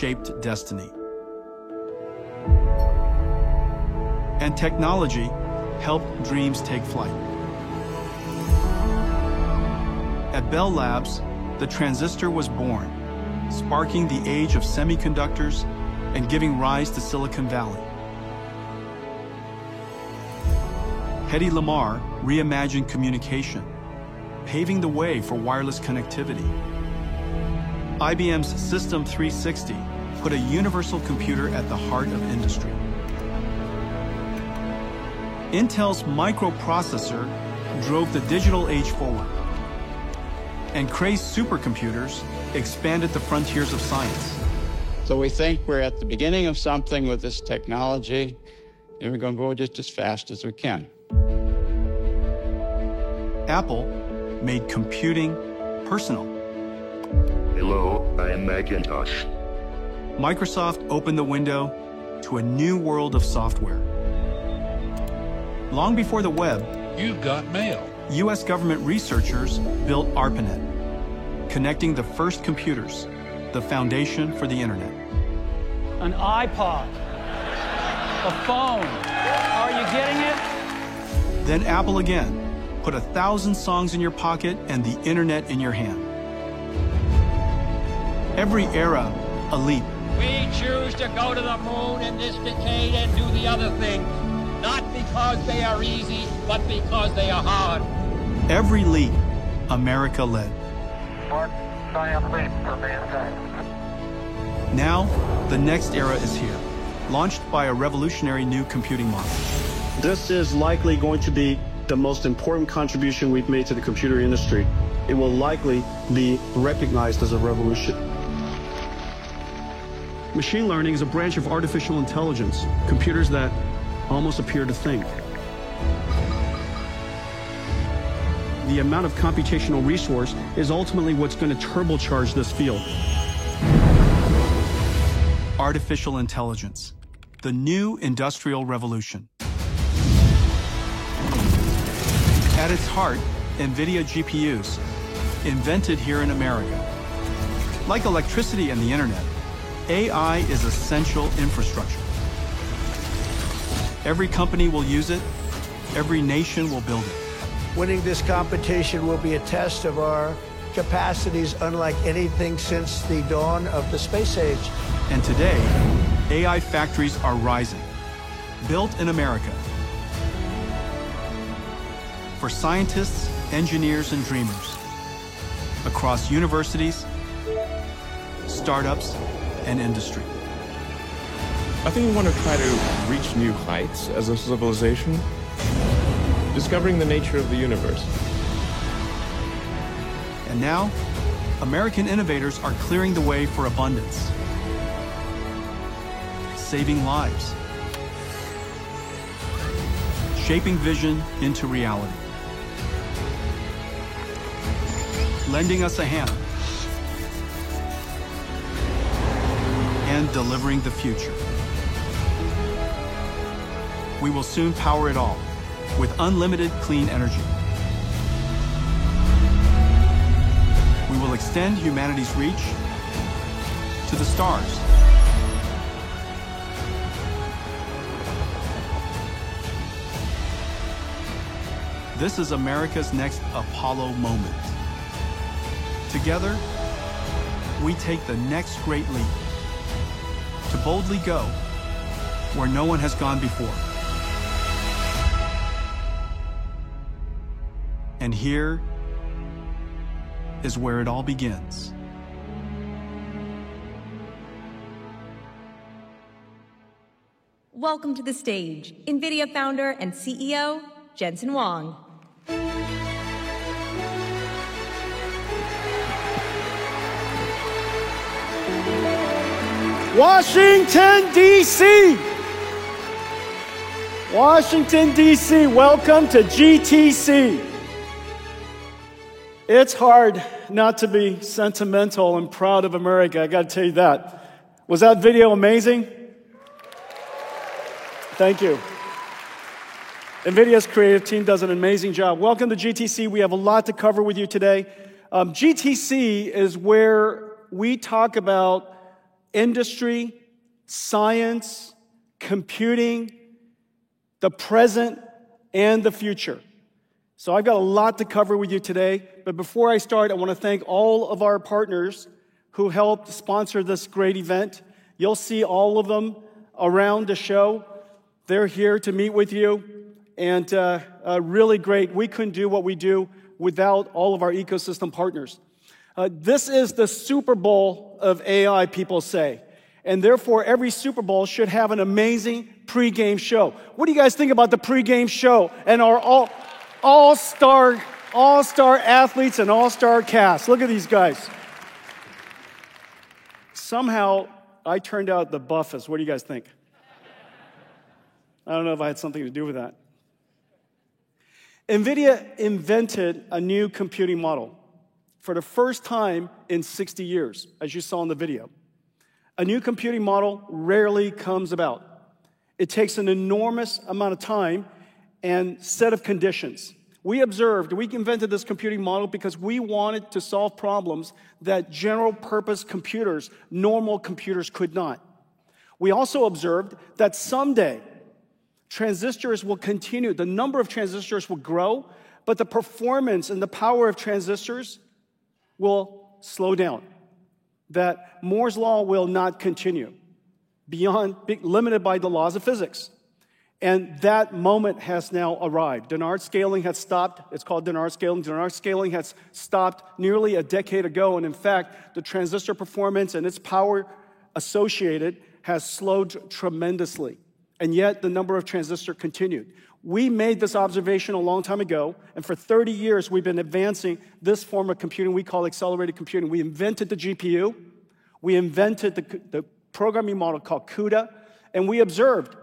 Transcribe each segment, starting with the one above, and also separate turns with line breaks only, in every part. Shaped destiny. And technology helped dreams take flight. At Bell Labs, the transistor was born, sparking the age of semiconductors and giving rise to Silicon Valley. Hedy Lamarr reimagined communication, paving the way for wireless connectivity. IBM's System/360 put a universal computer at the heart of industry. Intel's microprocessor drove the digital age forward. And Cray's supercomputers expanded the frontiers of science. So we think we're at the beginning of something with this technology, and we're going to go just as fast as we can. Apple made computing personal. Hello, I am Macintosh. Microsoft opened the window to a new world of software. Long before the web. You've got mail. U.S. government researchers built ARPANET, connecting the first computers, the foundation for the internet. An iPod. A phone. Are you getting it? Then Apple again put a thousand songs in your pocket and the internet in your hand. Every era, a leap. We choose to go to the moon in this decade and do the other things, not because they are easy, but because they are hard. Every leap, America led. Mark Zuckerberg leap from the inside. Now, the next era is here, launched by a revolutionary new computing model. This is likely going to be the most important contribution we've made to the computer industry. It will likely be recognized as a revolution. Machine learning is a branch of artificial intelligence, computers that almost appear to think. The amount of computational resource is ultimately what's going to turbocharge this field. Artificial intelligence, the new industrial revolution. At its heart, NVIDIA GPUs, invented here in America. Like electricity and the internet, AI is essential infrastructure. Every company will use it, every nation will build it. Winning this competition will be a test of our capacities, unlike anything since the dawn of the space age. Today, AI factories are rising, built in America, for scientists, engineers, and dreamers across universities, startups, and industry. I think we want to try to reach new heights as a civilization, discovering the nature of the universe. And now, American innovators are clearing the way for abundance, saving lives, shaping vision into reality, lending us a hand, and delivering the future. We will soon power it all with unlimited clean energy. We will extend humanity's reach to the stars. This is America's next Apollo moment. Together, we take the next great leap to boldly go where no one has gone before. And here is where it all begins.
Welcome to the stage, NVIDIA founder and CEO, Jensen Huang.
Washington, D.C., welcome to GTC. It's hard not to be sentimental and proud of America, I got to tell you that. Was that video amazing? Thank you. NVIDIA's creative team does an amazing job. Welcome to GTC. We have a lot to cover with you today. GTC is where we talk about industry, science, computing, the present, and the future, so I've got a lot to cover with you today, but before I start, I want to thank all of our partners who helped sponsor this great event. You'll see all of them around the show. They're here to meet with you, and really great, we couldn't do what we do without all of our ecosystem partners. This is the Super Bowl of AI, people say, and therefore every Super Bowl should have an amazing pre-game show. What do you guys think about the pre-game show and our all-star athletes and all-star cast? Look at these guys. Somehow, I turned out the buffest. What do you guys think? I don't know if I had something to do with that. NVIDIA invented a new computing model for the first time in 60 years, as you saw in the video. A new computing model rarely comes about. It takes an enormous amount of time and a set of conditions. We observed we invented this computing model because we wanted to solve problems that general-purpose computers, normal computers, could not. We also observed that someday, transistors will continue. The number of transistors will grow, but the performance and the power of transistors will slow down. That Moore's Law will not continue beyond, limited by the laws of physics, and that moment has now arrived. Dennard scaling has stopped. It's called Dennard scaling. Dennard scaling has stopped nearly a decade ago. And in fact, the transistor performance and its power associated has slowed tremendously. And yet, the number of transistors continued. We made this observation a long time ago. And for 30 years, we've been advancing this form of computing we call accelerated computing. We invented the GPU. We invented the programming model called CUDA. And we observed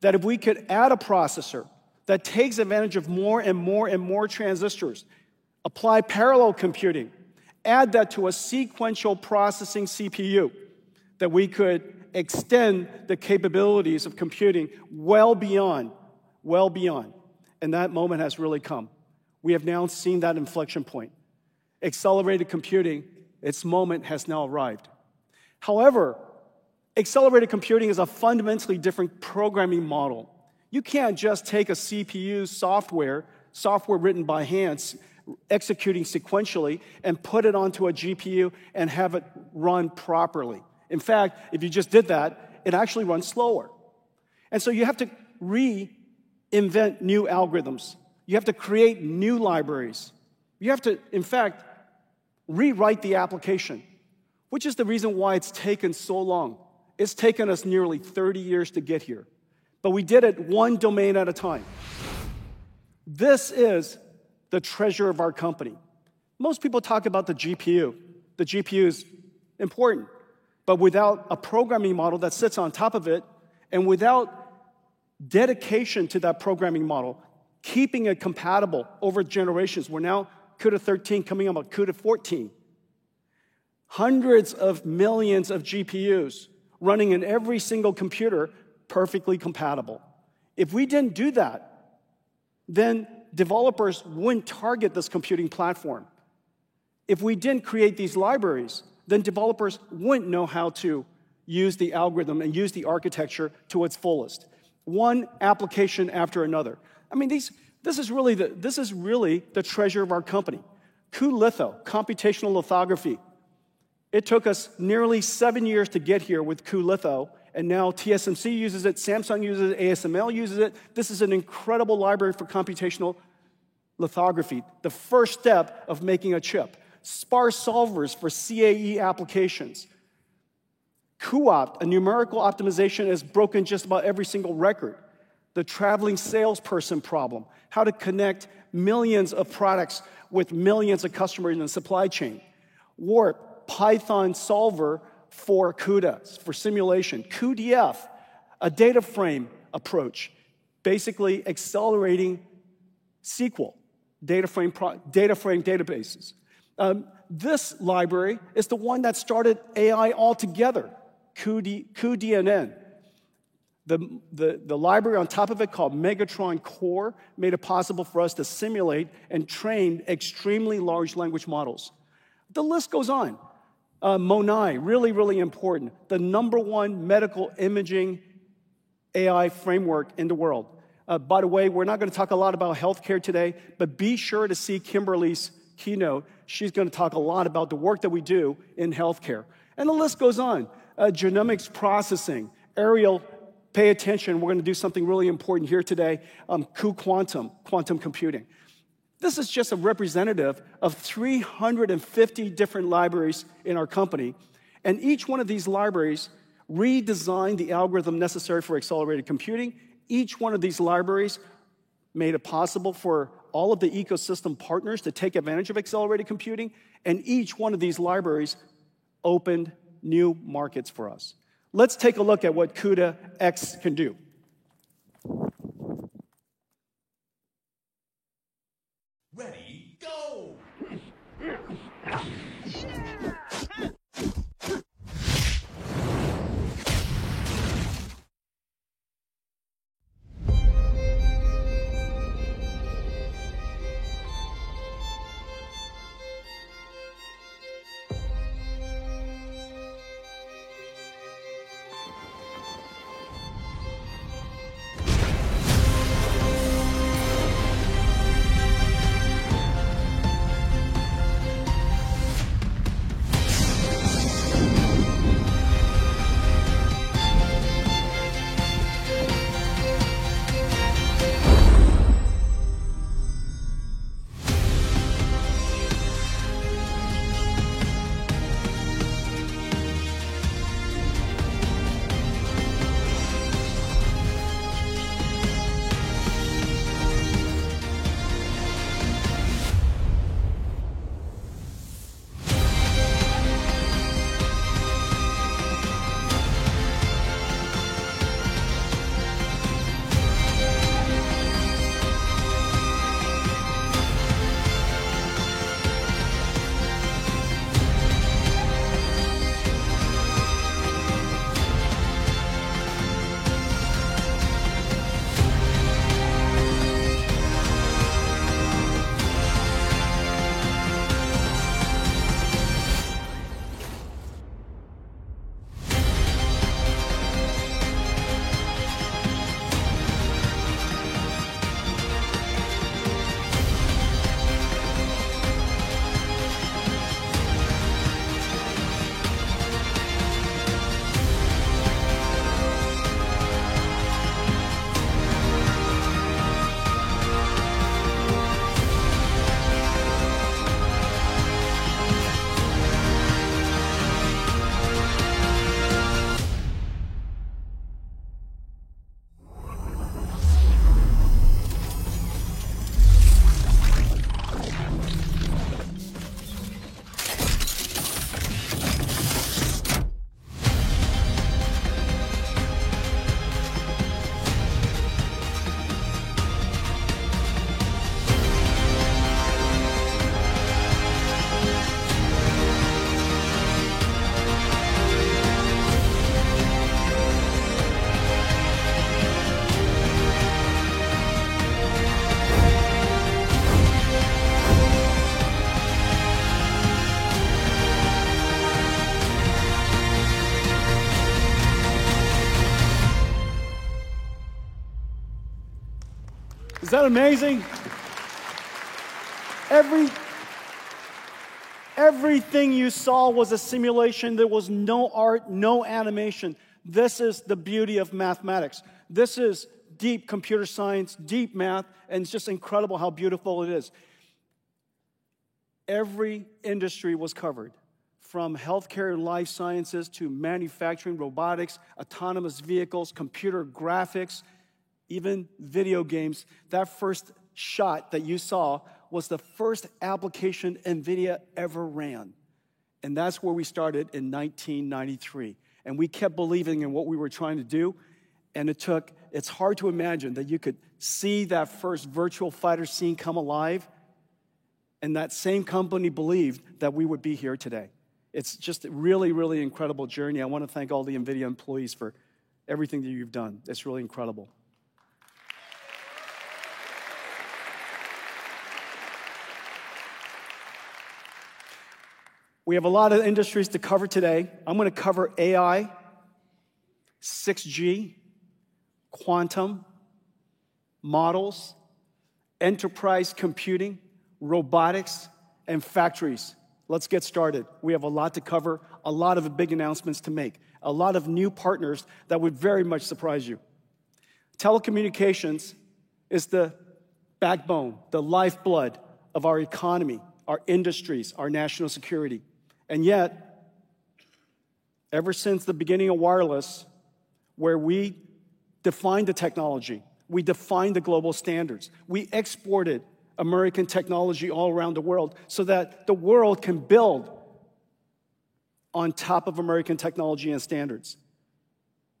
that if we could add a processor that takes advantage of more and more and more transistors, apply parallel computing, add that to a sequential processing CPU, that we could extend the capabilities of computing well beyond, well beyond. And that moment has really come. We have now seen that inflection point. Accelerated computing, its moment has now arrived. However, accelerated computing is a fundamentally different programming model. You can't just take a CPU software, software written by hand, executing sequentially, and put it onto a GPU and have it run properly. In fact, if you just did that, it actually runs slower, and so you have to reinvent new algorithms. You have to create new libraries. You have to, in fact, rewrite the application, which is the reason why it's taken so long. It's taken us nearly 30 years to get here, but we did it one domain at a time. This is the treasure of our company. Most people talk about the GPU. The GPU is important, but without a programming model that sits on top of it, and without dedication to that programming model, keeping it compatible over generations, we're now CUDA 13 coming up on CUDA 14, hundreds of millions of GPUs running in every single computer, perfectly compatible. If we didn't do that, then developers wouldn't target this computing platform. If we didn't create these libraries, then developers wouldn't know how to use the algorithm and use the architecture to its fullest, one application after another. I mean, this is really the treasure of our company, cuLitho Computational Lithography. It took us nearly seven years to get here with cuLitho, and now TSMC uses it, Samsung uses it, ASML uses it. This is an incredible library for computational lithography, the first step of making a chip, sparse solvers for CAE applications, cuOpt, a numerical optimization that has broken just about every single record, the traveling salesperson problem, how to connect millions of products with millions of customers in the supply chain, Warp, Python solver for CUDA's, for simulation, cuDF, a data frame approach, basically accelerating SQL, data frame databases. This library is the one that started AI altogether, cuDNN. The library on top of it called Megatron-Core made it possible for us to simulate and train extremely large language models. The list goes on. MONAI, really, really important, the number one medical imaging AI framework in the world. By the way, we're not going to talk a lot about healthcare today, but be sure to see Kimberly's keynote. She's going to talk a lot about the work that we do in healthcare, and the list goes on. Genomics processing, Aerial, pay attention, we're going to do something really important here today, cuQuantum, quantum computing. This is just a representative of 350 different libraries in our company, and each one of these libraries redesigned the algorithm necessary for accelerated computing. Each one of these libraries made it possible for all of the ecosystem partners to take advantage of accelerated computing. And each one of these libraries opened new markets for us. Let's take a look at what CUDA-X can do. Ready, go. Is that amazing? Everything you saw was a simulation. There was no art, no animation. This is the beauty of mathematics. This is deep computer science, deep math, and it's just incredible how beautiful it is. Every industry was covered, from healthcare and life sciences to manufacturing, robotics, autonomous vehicles, computer graphics, even video games. That first shot that you saw was the first application NVIDIA ever ran. And that's where we started in 1993. And we kept believing in what we were trying to do. And it took. It's hard to imagine that you could see that first virtual fighter scene come alive. That same company believed that we would be here today. It's just a really, really incredible journey. I want to thank all the NVIDIA employees for everything that you've done. It's really incredible. We have a lot of industries to cover today. I'm going to cover AI, 6G, quantum, models, enterprise computing, robotics, and factories. Let's get started. We have a lot to cover, a lot of big announcements to make, a lot of new partners that would very much surprise you. Telecommunications is the backbone, the lifeblood of our economy, our industries, our national security. And yet, ever since the beginning of wireless, where we defined the technology, we defined the global standards. We exported American technology all around the world so that the world can build on top of American technology and standards.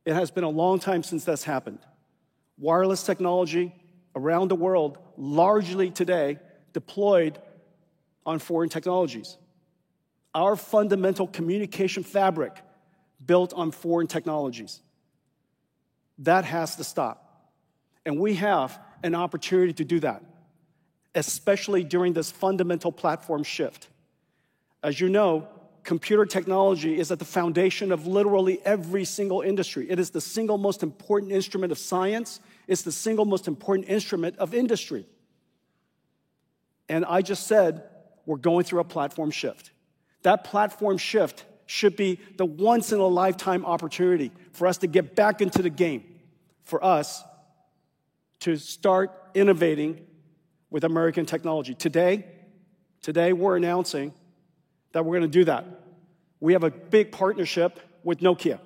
It has been a long time since this happened. Wireless technology around the world, largely today, deployed on foreign technologies. Our fundamental communication fabric built on foreign technologies. That has to stop, and we have an opportunity to do that, especially during this fundamental platform shift. As you know, computer technology is at the foundation of literally every single industry. It is the single most important instrument of science. It's the single most important instrument of industry, and I just said, we're going through a platform shift. That platform shift should be the once-in-a-lifetime opportunity for us to get back into the game, for us to start innovating with American technology. Today, today, we're announcing that we're going to do that. We have a big partnership with Nokia.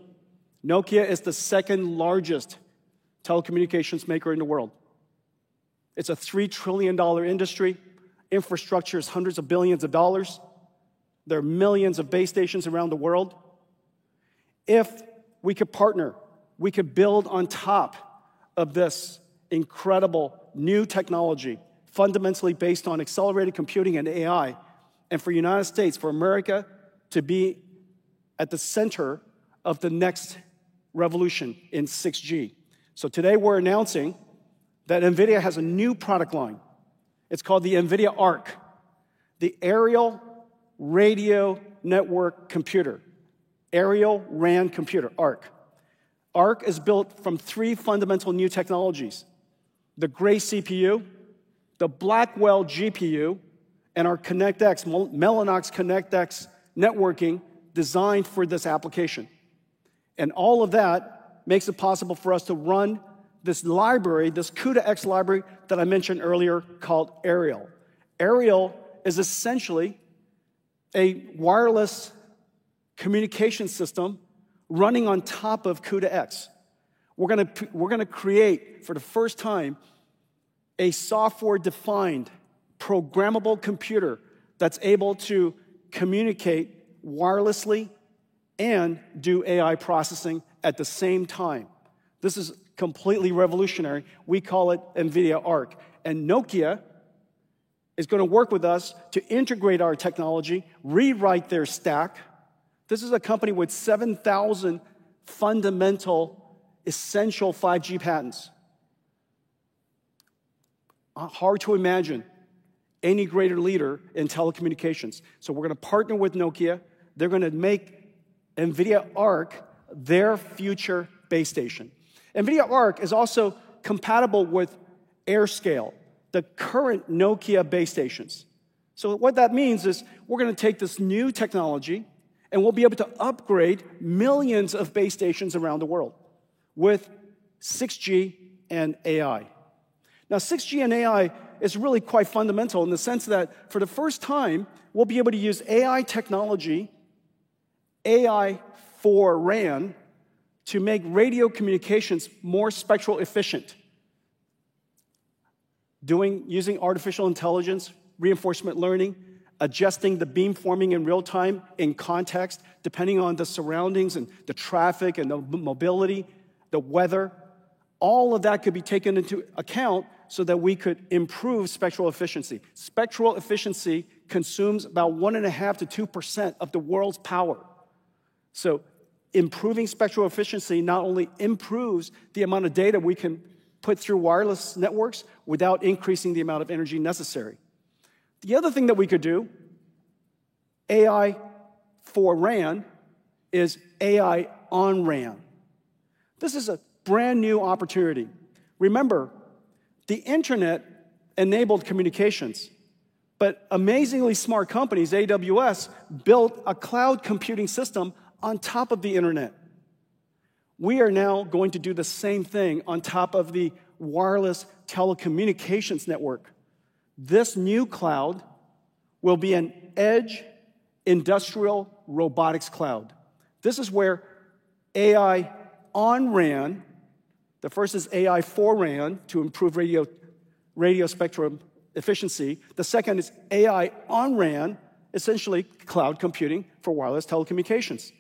Nokia is the second largest telecommunications maker in the world. It's a $3 trillion industry. Infrastructure is hundreds of billions of dollars. There are millions of base stations around the world. If we could partner, we could build on top of this incredible new technology, fundamentally based on accelerated computing and AI, and for the United States, for America to be at the center of the next revolution in 6G. So today, we're announcing that NVIDIA has a new product line. It's called the NVIDIA ARC, the Aerial Radio Network Computer, Aerial RAN Computer, ARC. ARC is built from three fundamental new technologies: the Grace CPU, the Blackwell GPU, and our ConnectX, Mellanox ConnectX networking designed for this application. And all of that makes it possible for us to run this library, this CUDA-X library that I mentioned earlier called Aerial. Aerial is essentially a wireless communication system running on top of CUDA-X. We're going to create, for the first time, a software-defined programmable computer that's able to communicate wirelessly and do AI processing at the same time. This is completely revolutionary. We call it NVIDIA ARC, and Nokia is going to work with us to integrate our technology, rewrite their stack. This is a company with 7,000 fundamental essential 5G patents. Hard to imagine any greater leader in telecommunications, so we're going to partner with Nokia. They're going to make NVIDIA ARC their future base station. NVIDIA ARC is also compatible with AirScale, the current Nokia base stations, so what that means is we're going to take this new technology, and we'll be able to upgrade millions of base stations around the world with 6G and AI. Now, 6G and AI is really quite fundamental in the sense that for the first time, we'll be able to use AI technology, AI for RAN, to make radio communications more spectrally efficient, using artificial intelligence, reinforcement learning, adjusting the beamforming in real time in context, depending on the surroundings and the traffic and the mobility, the weather. All of that could be taken into account so that we could improve spectral efficiency. Spectral efficiency consumes about 1.5%-2% of the world's power. So improving spectral efficiency not only improves the amount of data we can put through wireless networks without increasing the amount of energy necessary. The other thing that we could do, AI for RAN, is AI on RAN. This is a brand new opportunity. Remember, the internet enabled communications. But amazingly smart companies, AWS, built a cloud computing system on top of the internet. We are now going to do the same thing on top of the wireless telecommunications network. This new cloud will be an edge industrial robotics cloud. This is where AI on RAN, the first is AI for RAN to improve radio spectrum efficiency. The second is AI on RAN, essentially cloud computing for wireless telecommunications.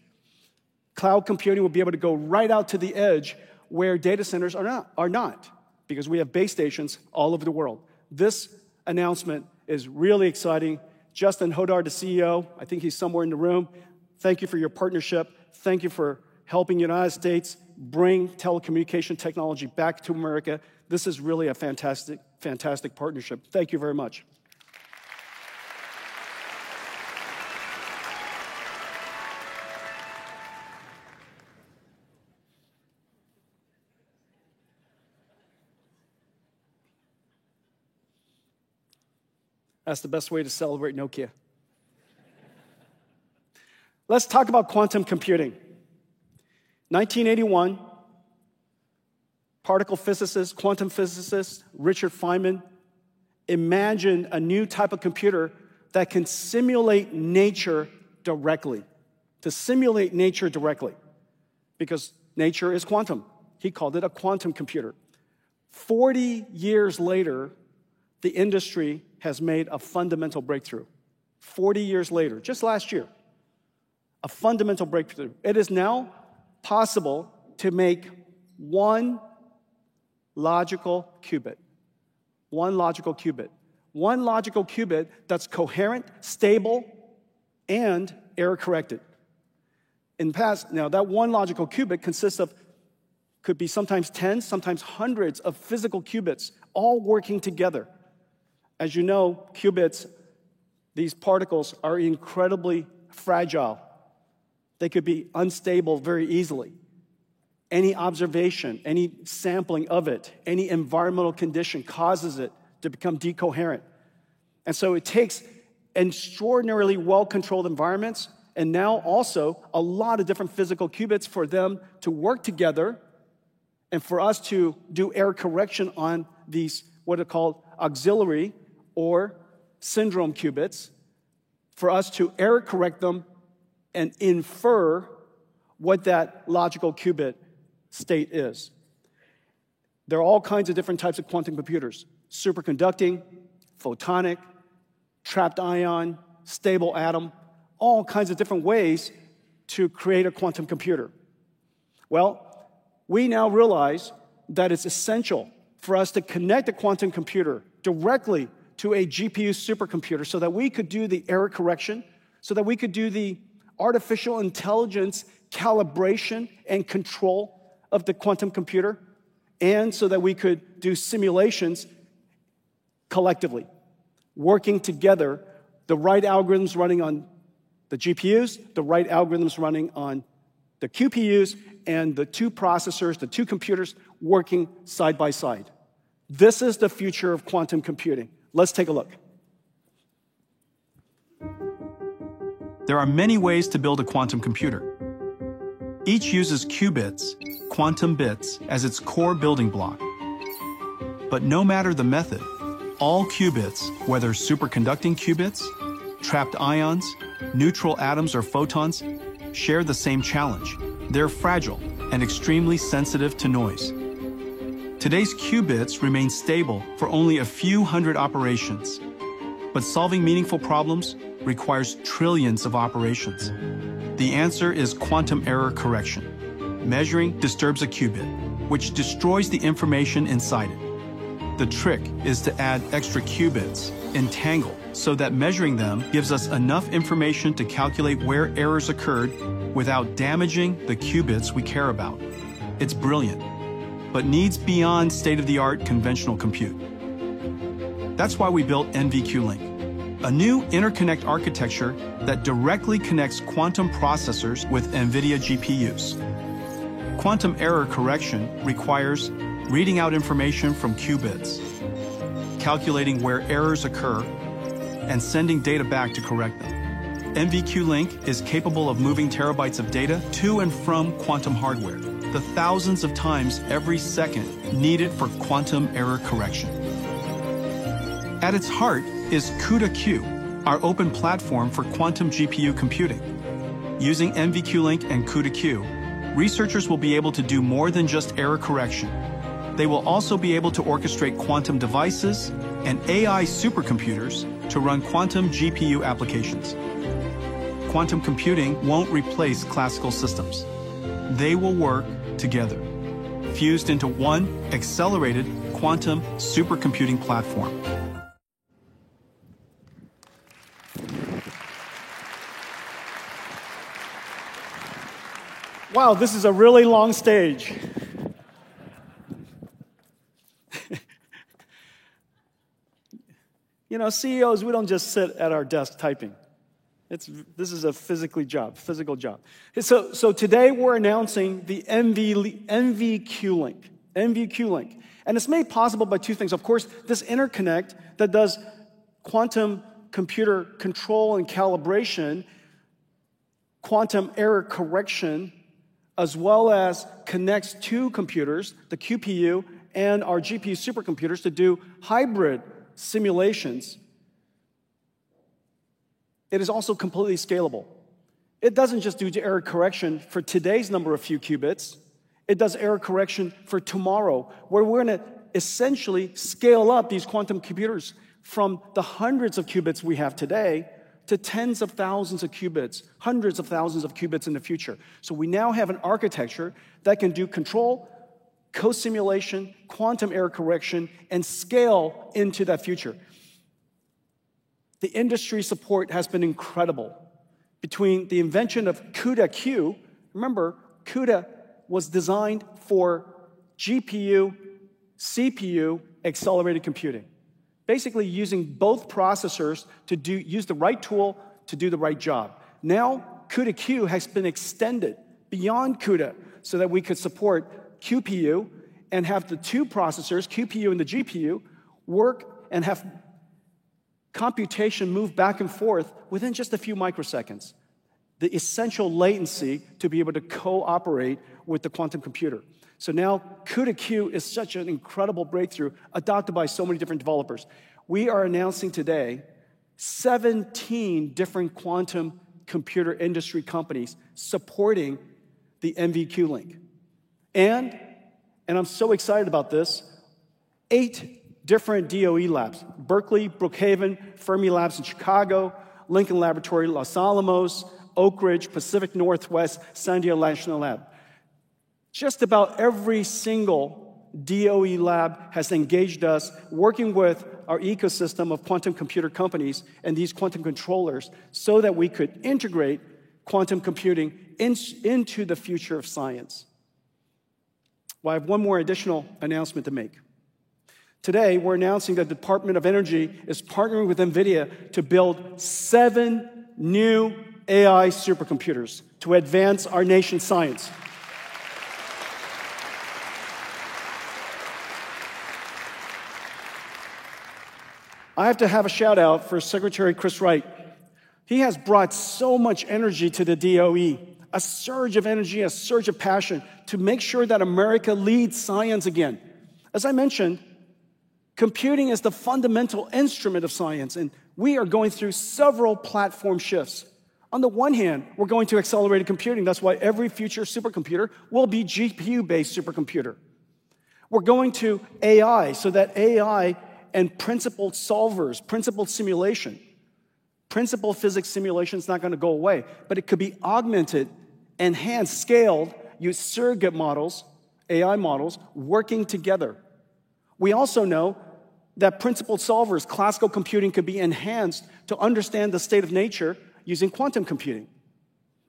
Cloud computing will be able to go right out to the edge where data centers are not, because we have base stations all over the world. This announcement is really exciting. Justin Hodar, the CEO, I think he's somewhere in the room. Thank you for your partnership. Thank you for helping the United States bring telecommunication technology back to America. This is really a fantastic, fantastic partnership. Thank you very much. That's the best way to celebrate Nokia. Let's talk about quantum computing. 1981, particle physicist quantum physicist Richard Feynman imagined a new type of computer that can simulate nature directly, to simulate nature directly, because nature is quantum. He called it a quantum computer. 40 years later, the industry has made a fundamental breakthrough. 40 years later, just last year, a fundamental breakthrough. It is now possible to make one logical qubit, one logical qubit, one logical qubit that's coherent, stable, and error-corrected. In the past, now that one logical qubit consists of could be sometimes tens, sometimes hundreds of physical qubits all working together. As you know, qubits, these particles are incredibly fragile. They could be unstable very easily. Any observation, any sampling of it, any environmental condition causes it to become decoherent. And so it takes extraordinarily well-controlled environments and now also a lot of different physical qubits for them to work together and for us to do error correction on these, what are called auxiliary or syndrome qubits, for us to error correct them and infer what that logical qubit state is. There are all kinds of different types of quantum computers: superconducting, photonic, trapped ion, stable atom, all kinds of different ways to create a quantum computer. We now realize that it's essential for us to connect a quantum computer directly to a GPU supercomputer so that we could do the error correction, so that we could do the artificial intelligence calibration and control of the quantum computer, and so that we could do simulations collectively, working together, the right algorithms running on the GPUs, the right algorithms running on the QPUs and the two processors, the two computers working side by side. This is the future of quantum computing. Let's take a look. There are many ways to build a quantum computer. Each uses qubits, quantum bits, as its core building block. But no matter the method, all qubits, whether superconducting qubits, trapped ions, neutral atoms, or photons, share the same challenge. They're fragile and extremely sensitive to noise. Today's qubits remain stable for only a few hundred operations, but solving meaningful problems requires trillions of operations. The answer is quantum error correction. Measuring disturbs a qubit, which destroys the information inside it. The trick is to add extra qubits entangled so that measuring them gives us enough information to calculate where errors occurred without damaging the qubits we care about. It's brilliant, but needs beyond state-of-the-art conventional compute. That's why we built NVQLink, a new interconnect architecture that directly connects quantum processors with NVIDIA GPUs. Quantum error correction requires reading out information from qubits, calculating where errors occur, and sending data back to correct them. NVQLink is capable of moving terabytes of data to and from quantum hardware, the thousands of times every second needed for quantum error correction. At its heart is CUDA-Q, our open platform for quantum GPU computing. Using NVQLink and CUDA-Q, researchers will be able to do more than just error correction. They will also be able to orchestrate quantum devices and AI supercomputers to run quantum GPU applications. Quantum computing won't replace classical systems. They will work together, fused into one accelerated quantum supercomputing platform. Wow, this is a really long stage. You know, CEOs, we don't just sit at our desk typing. This is a physical job, physical job. So today, we're announcing the NVQLink. NVQLink. And it's made possible by two things. Of course, this interconnect that does quantum computer control and calibration, quantum error correction, as well as connects two computers, the QPU and our GPU supercomputers, to do hybrid simulations. It is also completely scalable. It doesn't just do the error correction for today's number of few qubits. It does error correction for tomorrow, where we're going to essentially scale up these quantum computers from the hundreds of qubits we have today to tens of thousands of qubits, hundreds of thousands of qubits in the future. So we now have an architecture that can do control, co-simulation, quantum error correction, and scale into that future. The industry support has been incredible. Between the invention of CUDA-Q, remember, CUDA was designed for GPU, CPU, accelerated computing, basically using both processors to use the right tool to do the right job. Now, CUDA-Q has been extended beyond CUDA so that we could support QPU and have the two processors, QPU and the GPU, work and have computation move back and forth within just a few microseconds, the essential latency to be able to cooperate with the quantum computer. So now, CUDA-Q is such an incredible breakthrough adopted by so many different developers. We are announcing today 17 different quantum computer industry companies supporting the NVQLink. And I'm so excited about this, eight different DOE labs: Berkeley, Brookhaven, Fermilab in Chicago, Lincoln Laboratory, Los Alamos, Oak Ridge, Pacific Northwest, Sandia National Labs. Just about every single DOE lab has engaged us, working with our ecosystem of quantum computer companies and these quantum controllers so that we could integrate quantum computing into the future of science. Well, I have one more additional announcement to make. Today, we're announcing that the Department of Energy is partnering with NVIDIA to build seven new AI supercomputers to advance our nation's science. I have to have a shout-out for Secretary Chris Wright. He has brought so much energy to the DOE, a surge of energy, a surge of passion to make sure that America leads science again. As I mentioned, computing is the fundamental instrument of science, and we are going through several platform shifts. On the one hand, we're going to accelerated computing. That's why every future supercomputer will be GPU-based supercomputer. We're going to AI so that AI and principled solvers, principled simulation, principled physics simulation is not going to go away, but it could be augmented, enhanced, scaled using surrogate models, AI models working together. We also know that principled solvers, classical computing could be enhanced to understand the state of nature using quantum computing.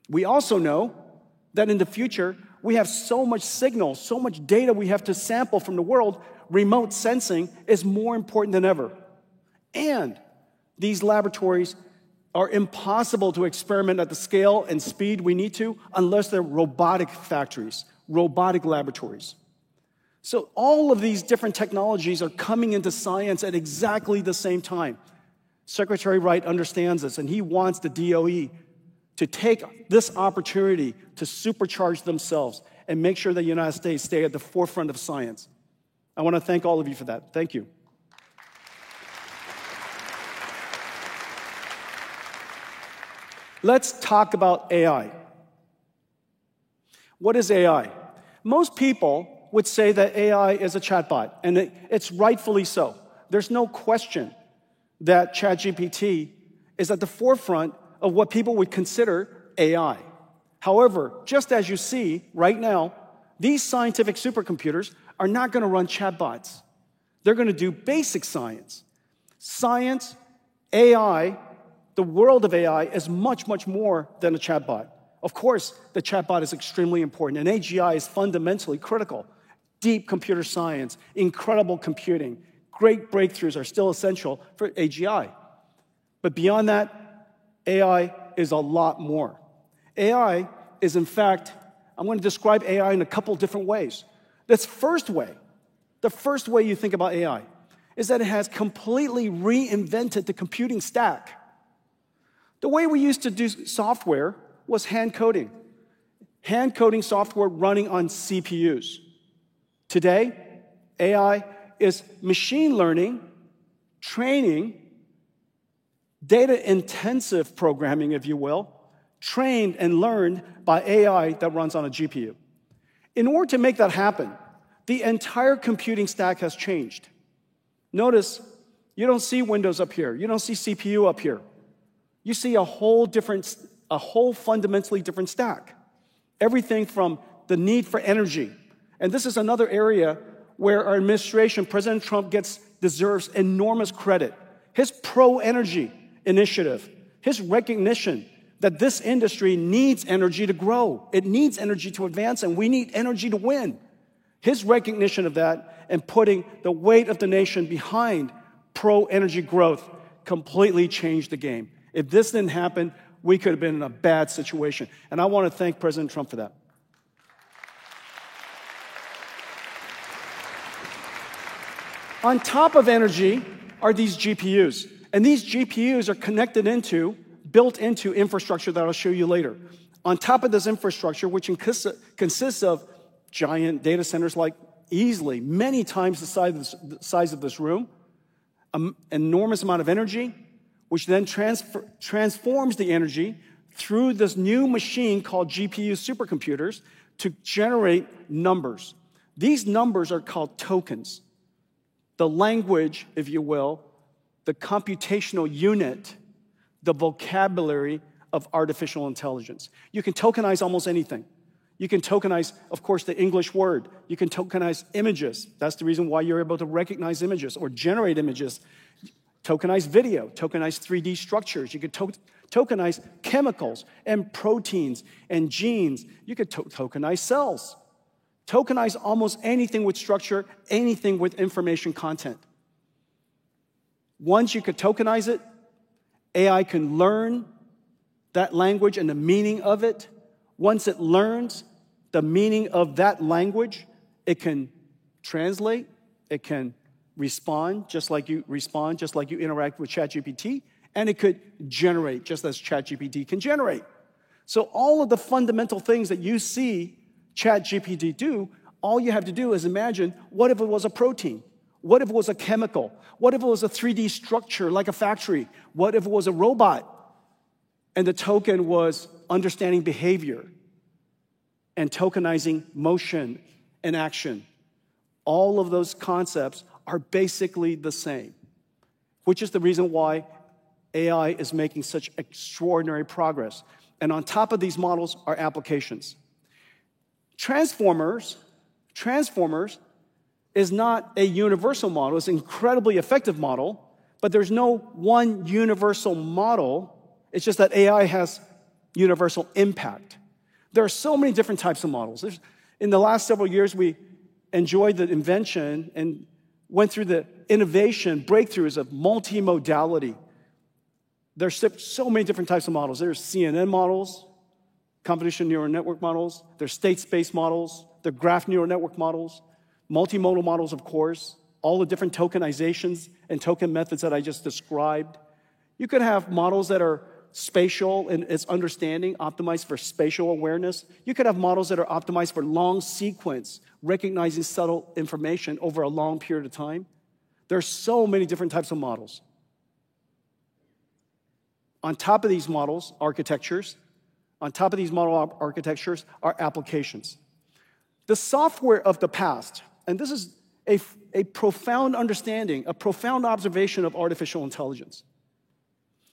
We also know that in the future, we have so much signal, so much data we have to sample from the world, remote sensing is more important than ever. These laboratories are impossible to experiment at the scale and speed we need to unless they're robotic factories, robotic laboratories. So all of these different technologies are coming into science at exactly the same time. Secretary Wright understands this, and he wants the DOE to take this opportunity to supercharge themselves and make sure that the United States stays at the forefront of science. I want to thank all of you for that. Thank you. Let's talk about AI. What is AI? Most people would say that AI is a chatbot, and it's rightfully so. There's no question that ChatGPT is at the forefront of what people would consider AI. However, just as you see right now, these scientific supercomputers are not going to run chatbots. They're going to do basic science. Science, AI, the world of AI is much, much more than a chatbot. Of course, the chatbot is extremely important, and AGI is fundamentally critical. Deep computer science, incredible computing, great breakthroughs are still essential for AGI. But beyond that, AI is a lot more. AI is, in fact, I'm going to describe AI in a couple of different ways. This first way, the first way you think about AI is that it has completely reinvented the computing stack. The way we used to do software was hand coding, hand coding software running on CPUs. Today, AI is machine learning, training, data-intensive programming, if you will, trained and learned by AI that runs on a GPU. In order to make that happen, the entire computing stack has changed. Notice, you don't see Windows up here. You don't see CPU up here. You see a whole different, a whole fundamentally different stack. Everything from the need for energy. This is another area where our administration, President Trump, deserves enormous credit. His pro-energy initiative, his recognition that this industry needs energy to grow, it needs energy to advance, and we need energy to win. His recognition of that and putting the weight of the nation behind pro-energy growth completely changed the game. If this didn't happen, we could have been in a bad situation. I want to thank President Trump for that. On top of energy are these GPUs. These GPUs are connected into, built into infrastructure that I'll show you later. On top of this infrastructure, which consists of giant data centers like easily many times the size of this room, an enormous amount of energy, which then transforms the energy through this new machine called GPU supercomputers to generate numbers. These numbers are called tokens, the language, if you will, the computational unit, the vocabulary of artificial intelligence. You can tokenize almost anything. You can tokenize, of course, the English word. You can tokenize images. That's the reason why you're able to recognize images or generate images, tokenize video, tokenize 3D structures. You can tokenize chemicals and proteins and genes. You can tokenize cells, tokenize almost anything with structure, anything with information content. Once you can tokenize it, AI can learn that language and the meaning of it. Once it learns the meaning of that language, it can translate, it can respond just like you respond, just like you interact with ChatGPT, and it could generate just as ChatGPT can generate. So all of the fundamental things that you see ChatGPT do, all you have to do is imagine, what if it was a protein? What if it was a chemical? What if it was a 3D structure like a factory? What if it was a robot? And the token was understanding behavior and tokenizing motion and action. All of those concepts are basically the same, which is the reason why AI is making such extraordinary progress. And on top of these models are applications. Transformers is not a universal model. It's an incredibly effective model, but there's no one universal model. It's just that AI has universal impact. There are so many different types of models. In the last several years, we enjoyed the invention and went through the innovation breakthroughs of multimodality. There's so many different types of models. There's CNN models, convolutional neural network models. There's state-space models. There's graph neural network models, multimodal models, of course, all the different tokenizations and token methods that I just described. You could have models that are spatial in its understanding, optimized for spatial awareness. You could have models that are optimized for long sequence, recognizing subtle information over a long period of time. There are so many different types of models. On top of these models, architectures, on top of these model architectures are applications. The software of the past, and this is a profound understanding, a profound observation of artificial intelligence,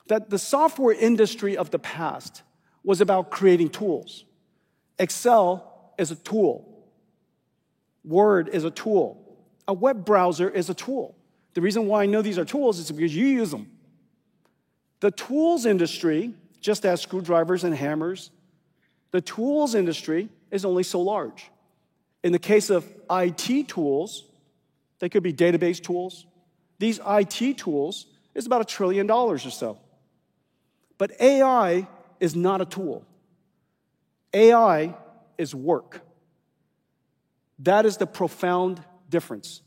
that the software industry of the past was about creating tools. Excel is a tool. Word is a tool. A web browser is a tool. The reason why I know these are tools is because you use them. The tools industry, just as screwdrivers and hammers, the tools industry is only so large. In the case of IT tools, they could be database tools. These IT tools are about $1 trillion or so. But AI is not a tool. AI is work. That is the profound difference.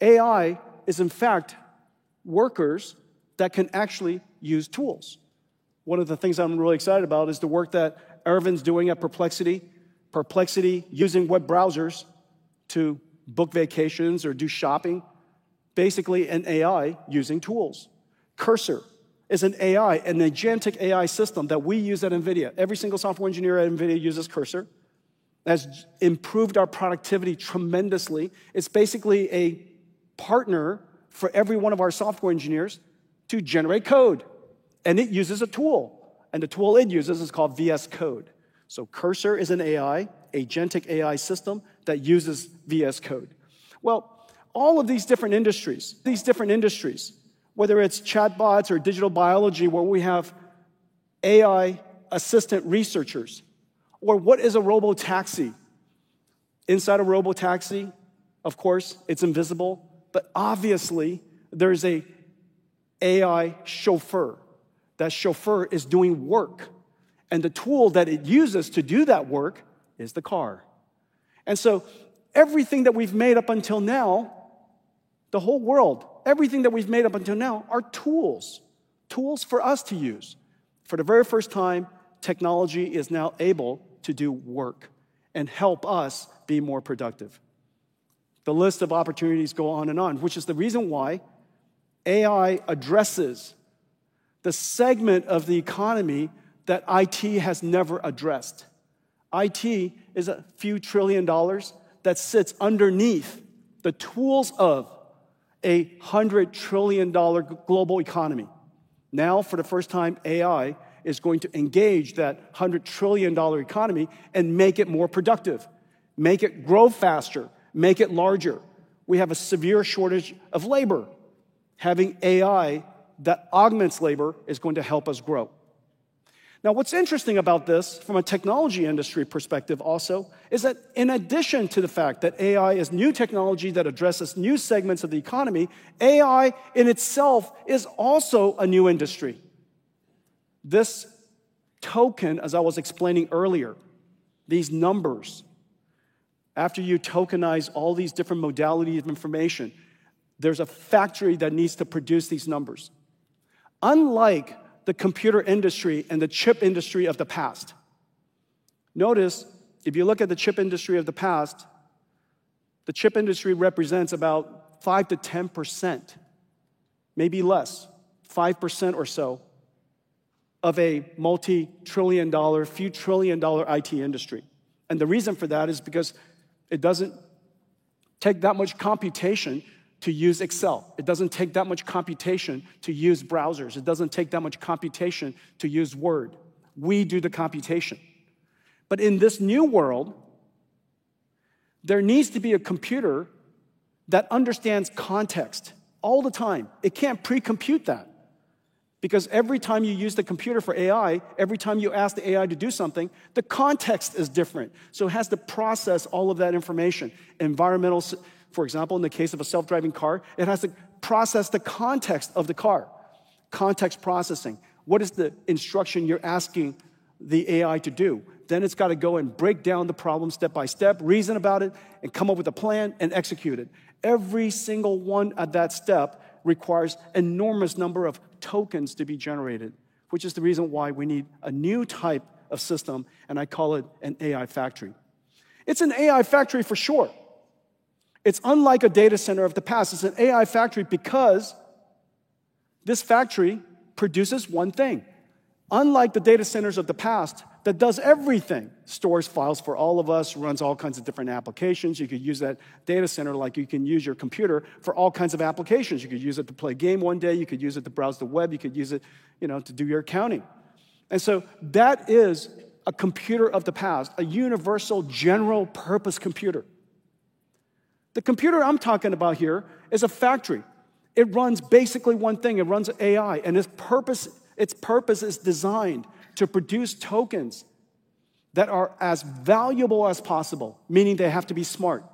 AI is, in fact, workers that can actually use tools. One of the things I'm really excited about is the work that Ervin's doing at Perplexity, Perplexity using web browsers to book vacations or do shopping, basically an AI using tools. Cursor is an AI, an agentic AI system that we use at NVIDIA. Every single software engineer at NVIDIA uses Cursor. It has improved our productivity tremendously. It's basically a partner for every one of our software engineers to generate code. And it uses a tool. And the tool it uses is called VS Code. So Cursor is an AI, agentic AI system that uses VS Code. All of these different industries, these different industries, whether it's chatbots or digital biology, where we have AI assistant researchers, or what is a robotaxi, inside a robotaxi, of course, it's invisible, but obviously, there is an AI chauffeur. That chauffeur is doing work, and the tool that it uses to do that work is the car, and so everything that we've made up until now, the whole world, everything that we've made up until now are tools, tools for us to use. For the very first time, technology is now able to do work and help us be more productive. The list of opportunities goes on and on, which is the reason why AI addresses the segment of the economy that IT has never addressed. IT is a few trillion dollars that sits underneath the tools of a hundred-trillion-dollar global economy. Now, for the first time, AI is going to engage that $100 trillion economy and make it more productive, make it grow faster, make it larger. We have a severe shortage of labor. Having AI that augments labor is going to help us grow. Now, what's interesting about this from a technology industry perspective also is that in addition to the fact that AI is new technology that addresses new segments of the economy, AI in itself is also a new industry. This token, as I was explaining earlier, these numbers, after you tokenize all these different modalities of information, there's a factory that needs to produce these numbers. Unlike the computer industry and the chip industry of the past, notice if you look at the chip industry of the past, the chip industry represents about 5%-10%, maybe less, 5% or so of a multi-trillion-dollar, few-trillion-dollar IT industry. And the reason for that is because it doesn't take that much computation to use Excel. It doesn't take that much computation to use browsers. It doesn't take that much computation to use Word. We do the computation. But in this new world, there needs to be a computer that understands context all the time. It can't pre-compute that. Because every time you use the computer for AI, every time you ask the AI to do something, the context is different. So it has to process all of that information. Environmental, for example, in the case of a self-driving car, it has to process the context of the car, context processing. What is the instruction you're asking the AI to do? Then it's got to go and break down the problem step by step, reason about it, and come up with a plan and execute it. Every single one of that step requires an enormous number of tokens to be generated, which is the reason why we need a new type of system, and I call it an AI factory. It's an AI factory for sure. It's unlike a data center of the past. It's an AI factory because this factory produces one thing. Unlike the data centers of the past, that does everything, stores files for all of us, runs all kinds of different applications. You could use that data center like you can use your computer for all kinds of applications. You could use it to play a game one day. You could use it to browse the web. You could use it to do your accounting, and so that is a computer of the past, a universal general purpose computer. The computer I'm talking about here is a factory. It runs basically one thing. It runs AI, and its purpose is designed to produce tokens that are as valuable as possible, meaning they have to be smart,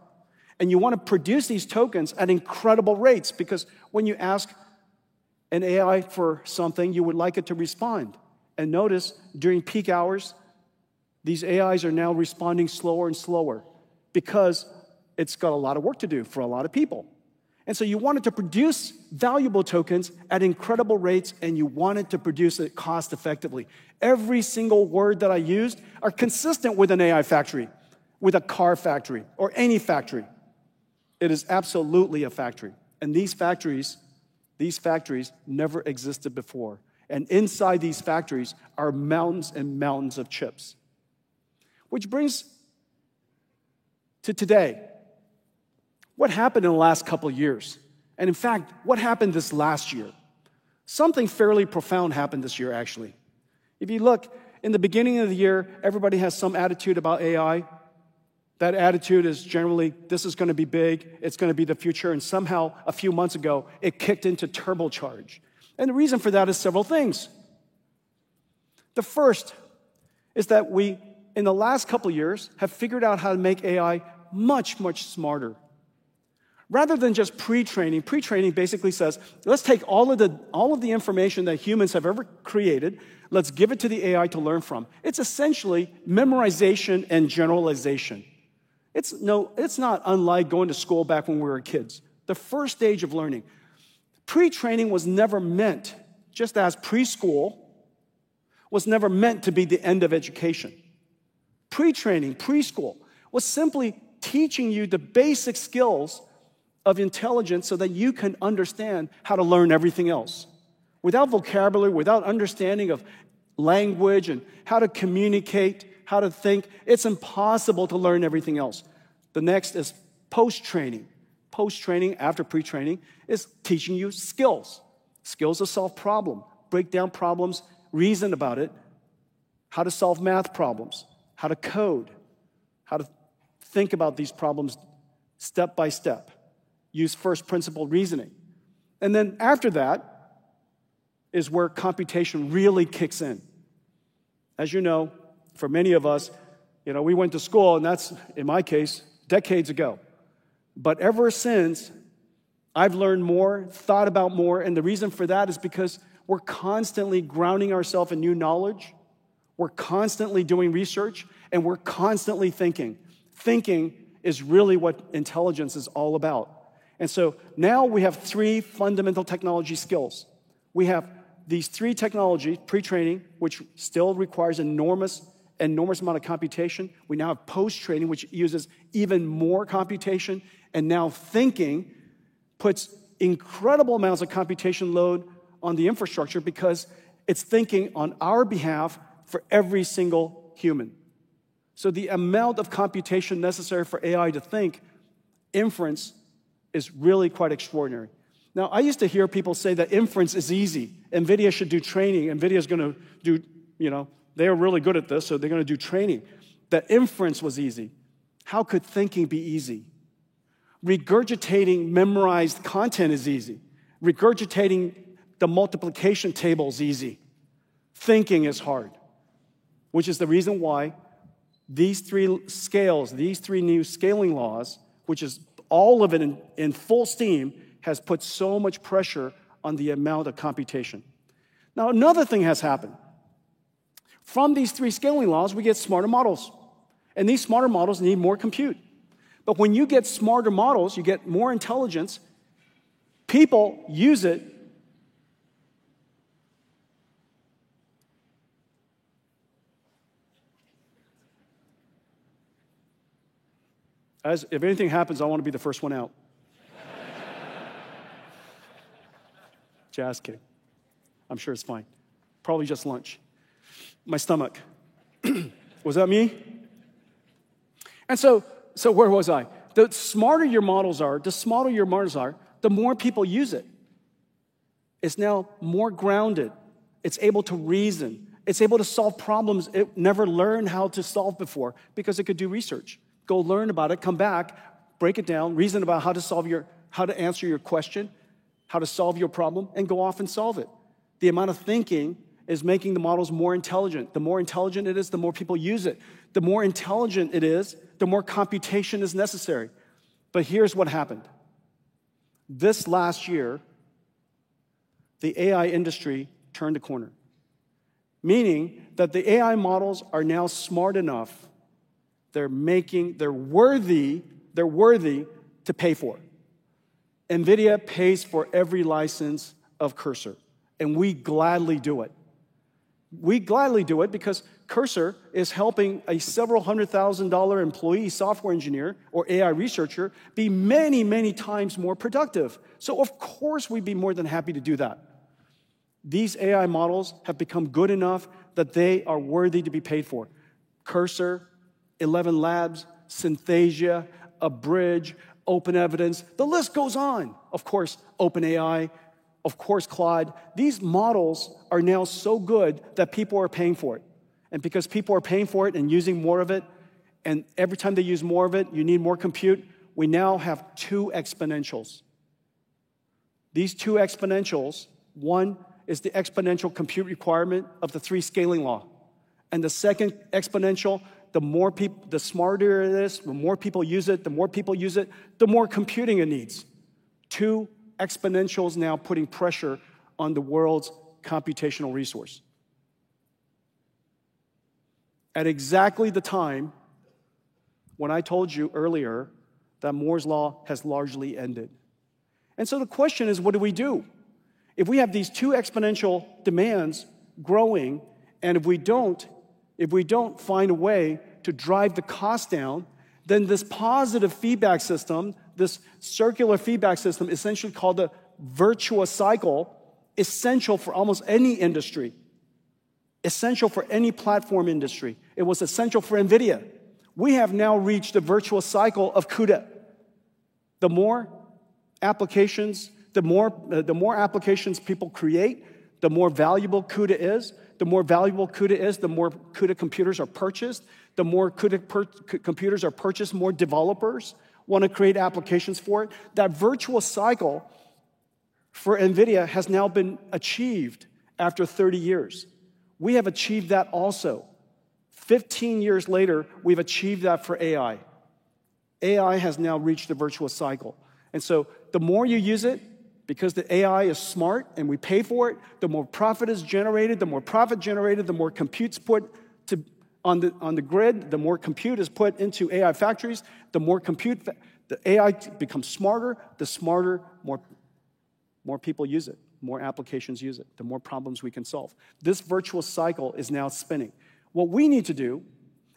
and you want to produce these tokens at incredible rates because when you ask an AI for something, you would like it to respond, and notice during peak hours, these AIs are now responding slower and slower because it's got a lot of work to do for a lot of people. You want it to produce valuable tokens at incredible rates, and you want it to produce it cost-effectively. Every single word that I used is consistent with an AI factory, with a car factory, or any factory. It is absolutely a factory. And these factories, these factories never existed before. And inside these factories are mountains and mountains of chips. Which brings to today, what happened in the last couple of years? And in fact, what happened this last year? Something fairly profound happened this year, actually. If you look, in the beginning of the year, everybody has some attitude about AI. That attitude is generally, this is going to be big, it's going to be the future. And somehow, a few months ago, it kicked into turbocharge. And the reason for that is several things. The first is that we, in the last couple of years, have figured out how to make AI much, much smarter. Rather than just pre-training, pre-training basically says, let's take all of the information that humans have ever created, let's give it to the AI to learn from. It's essentially memorization and generalization. It's not unlike going to school back when we were kids, the first stage of learning. Pre-training was never meant, just as preschool was never meant to be the end of education. Pre-training, preschool was simply teaching you the basic skills of intelligence so that you can understand how to learn everything else. Without vocabulary, without understanding of language and how to communicate, how to think, it's impossible to learn everything else. The next is post-training. Post-training, after pre-training, is teaching you skills, skills to solve problems, break down problems, reason about it, how to solve math problems, how to code, how to think about these problems step by step, use first-principle reasoning. And then after that is where computation really kicks in. As you know, for many of us, you know we went to school, and that's, in my case, decades ago. But ever since, I've learned more, thought about more. And the reason for that is because we're constantly grounding ourselves in new knowledge. We're constantly doing research, and we're constantly thinking. Thinking is really what intelligence is all about. And so now we have three fundamental technology skills. We have these three technologies, pre-training, which still requires an enormous amount of computation. We now have post-training, which uses even more computation. And now, thinking puts incredible amounts of computation load on the infrastructure because it's thinking on our behalf for every single human. So the amount of computation necessary for AI to think, inference, is really quite extraordinary. Now, I used to hear people say that inference is easy. NVIDIA should do training. NVIDIA is going to do, you know, they're really good at this, so they're going to do training. That inference was easy. How could thinking be easy? Regurgitating memorized content is easy. Regurgitating the multiplication table is easy. Thinking is hard, which is the reason why these three scales, these three new scaling laws, which is all of it in full steam, has put so much pressure on the amount of computation. Now, another thing has happened. From these three scaling laws, we get smarter models. And these smarter models need more compute. But when you get smarter models, you get more intelligence. People use it. If anything happens, I want to be the first one out. Jazz kid. I'm sure it's fine. Probably just lunch. My stomach. Was that me? And so where was I? The smarter your models are, the smarter your models are, the more people use it. It's now more grounded. It's able to reason. It's able to solve problems it never learned how to solve before because it could do research. Go learn about it, come back, break it down, reason about how to solve your, how to answer your question, how to solve your problem, and go off and solve it. The amount of thinking is making the models more intelligent. The more intelligent it is, the more people use it. The more intelligent it is, the more computation is necessary. But here's what happened. This last year, the AI industry turned a corner, meaning that the AI models are now smart enough. They're making, they're worthy, they're worthy to pay for. NVIDIA pays for every license of Cursor, and we gladly do it. We gladly do it because Cursor is helping a several hundred thousand dollar employee software engineer or AI researcher be many, many times more productive. So of course, we'd be more than happy to do that. These AI models have become good enough that they are worthy to be paid for. Cursor, ElevenLabs, Synthesia, Abridge, OpenEvidence, the list goes on. Of course, OpenAI, of course, Claude. These models are now so good that people are paying for it. And because people are paying for it and using more of it, and every time they use more of it, you need more compute, we now have two exponentials. These two exponentials, one is the exponential compute requirement of the three scaling law, and the second exponential, the more people, the smarter it is, the more people use it, the more people use it, the more computing it needs. Two exponentials now putting pressure on the world's computational resource at exactly the time when I told you earlier that Moore's Law has largely ended, and so the question is, what do we do? If we have these two exponential demands growing, and if we don't, if we don't find a way to drive the cost down, then this positive feedback system, this circular feedback system, essentially called the virtual cycle, essential for almost any industry, essential for any platform industry. It was essential for NVIDIA. We have now reached the virtual cycle of CUDA. The more applications, the more applications people create, the more valuable CUDA is. The more valuable CUDA is, the more CUDA computers are purchased. The more CUDA computers are purchased, more developers want to create applications for it. That virtuous cycle for NVIDIA has now been achieved after 30 years. We have achieved that also. 15 years later, we've achieved that for AI. AI has now reached the virtuous cycle. And so the more you use it, because the AI is smart and we pay for it, the more profit is generated, the more profit generated, the more compute's put on the grid, the more compute is put into AI factories, the more compute, the AI becomes smarter, the smarter, more people use it, more applications use it, the more problems we can solve. This virtuous cycle is now spinning. What we need to do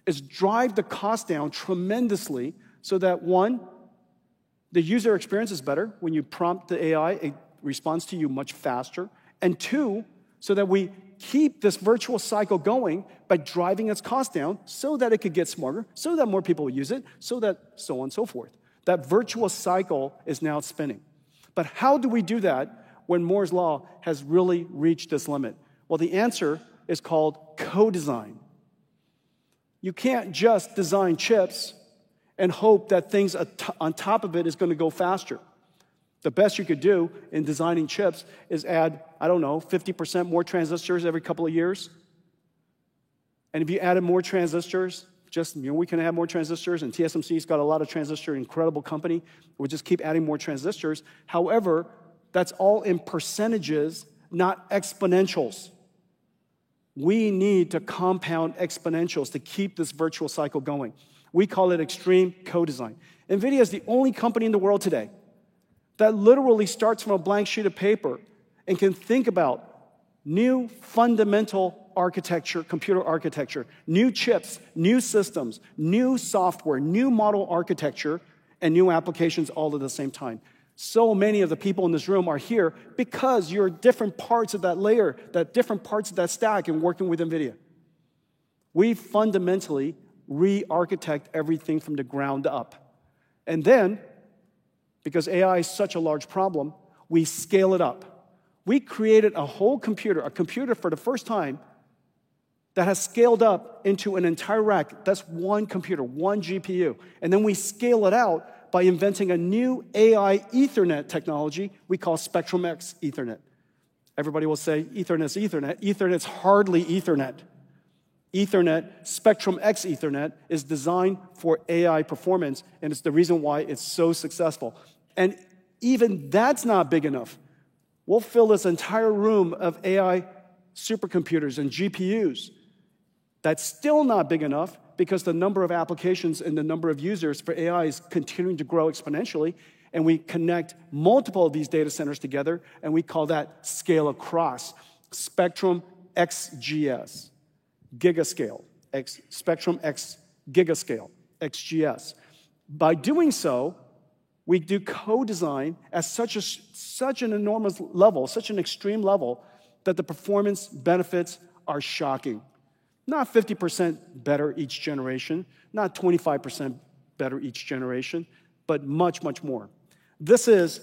is drive the cost down tremendously so that, one, the user experience is better. When you prompt the AI, it responds to you much faster. And two, so that we keep this virtual cycle going by driving its cost down so that it could get smarter, so that more people will use it, so that so on and so forth. That virtual cycle is now spinning. But how do we do that when Moore's Law has really reached this limit? Well, the answer is called co-design. You can't just design chips and hope that things on top of it are going to go faster. The best you could do in designing chips is add, I don't know, 50% more transistors every couple of years. And if you added more transistors, just, you know, we can add more transistors, and TSMC's got a lot of transistors, incredible company. We just keep adding more transistors. However, that's all in percentages, not exponentials. We need to compound exponentials to keep this virtual cycle going. We call it extreme co-design. NVIDIA is the only company in the world today that literally starts from a blank sheet of paper and can think about new fundamental architecture, computer architecture, new chips, new systems, new software, new model architecture, and new applications all at the same time, so many of the people in this room are here because you're different parts of that layer, that different parts of that stack in working with NVIDIA. We fundamentally re-architect everything from the ground up, and then, because AI is such a large problem, we scale it up. We created a whole computer, a computer for the first time that has scaled up into an entire rack. That's one computer, one GPU, and then we scale it out by inventing a new AI Ethernet technology we call Spectrum-X Ethernet. Everybody will say Ethernet's Ethernet. Ethernet's hardly Ethernet. Ethernet, Spectrum-X Ethernet is designed for AI performance, and it's the reason why it's so successful. And even that's not big enough. We'll fill this entire room of AI supercomputers and GPUs. That's still not big enough because the number of applications and the number of users for AI is continuing to grow exponentially, and we connect multiple of these data centers together, and we call that scale-across, Spectrum-XGS, GigaScale, Spectrum-X GigaScale, XGS. By doing so, we do co-design at such an enormous level, such an extreme level that the performance benefits are shocking. Not 50% better each generation, not 25% better each generation, but much, much more. This is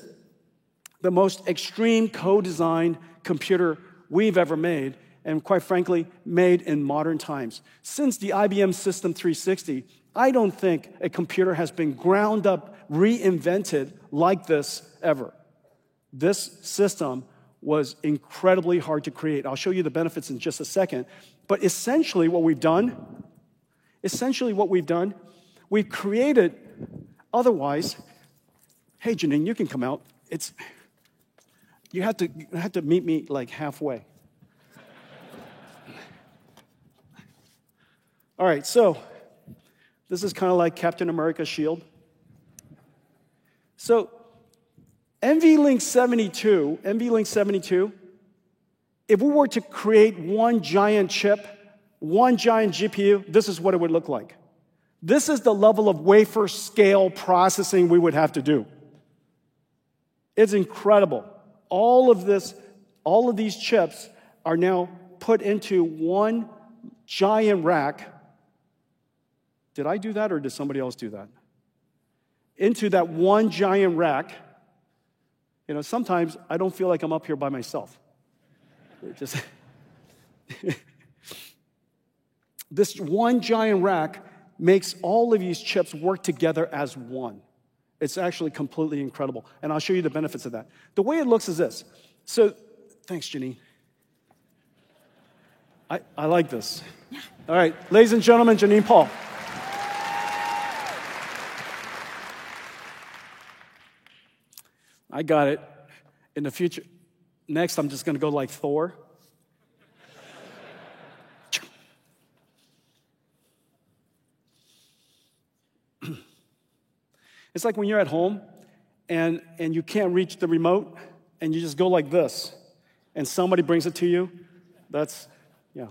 the most extreme co-design computer we've ever made, and quite frankly, made in modern times. Since the IBM System/360, I don't think a computer has been ground up, reinvented like this ever. This system was incredibly hard to create. I'll show you the benefits in just a second. But essentially what we've done, we've created otherwise. Hey, Janine, you can come out. It's, you had to meet me like halfway. All right, so this is kind of like Captain America's shield. So NVLink72, if we were to create one giant chip, one giant GPU, this is what it would look like. This is the level of wafer scale processing we would have to do. It's incredible. All of this, all of these chips are now put into one giant rack. Did I do that or did somebody else do that? Into that one giant rack, you know, sometimes I don't feel like I'm up here by myself. Just this one giant rack makes all of these chips work together as one. It's actually completely incredible, and I'll show you the benefits of that. The way it looks is this, so thanks, Janine. I like this. All right, ladies and gentlemen, Janine Paul. I got it. In the future, next, I'm just going to go like Thor. It's like when you're at home and you can't reach the remote and you just go like this and somebody brings it to you. That's, yeah,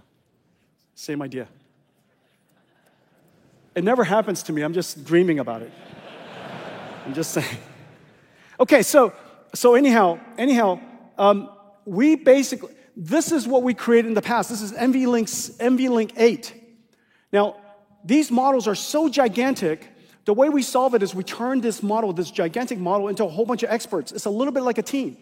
same idea. It never happens to me. I'm just dreaming about it. I'm just saying. Okay, so anyhow, we basically, this is what we created in the past. This is NVLink 8. Now, these models are so gigantic. The way we solve it is we turn this model, this gigantic model into a whole bunch of experts. It's a little bit like a team.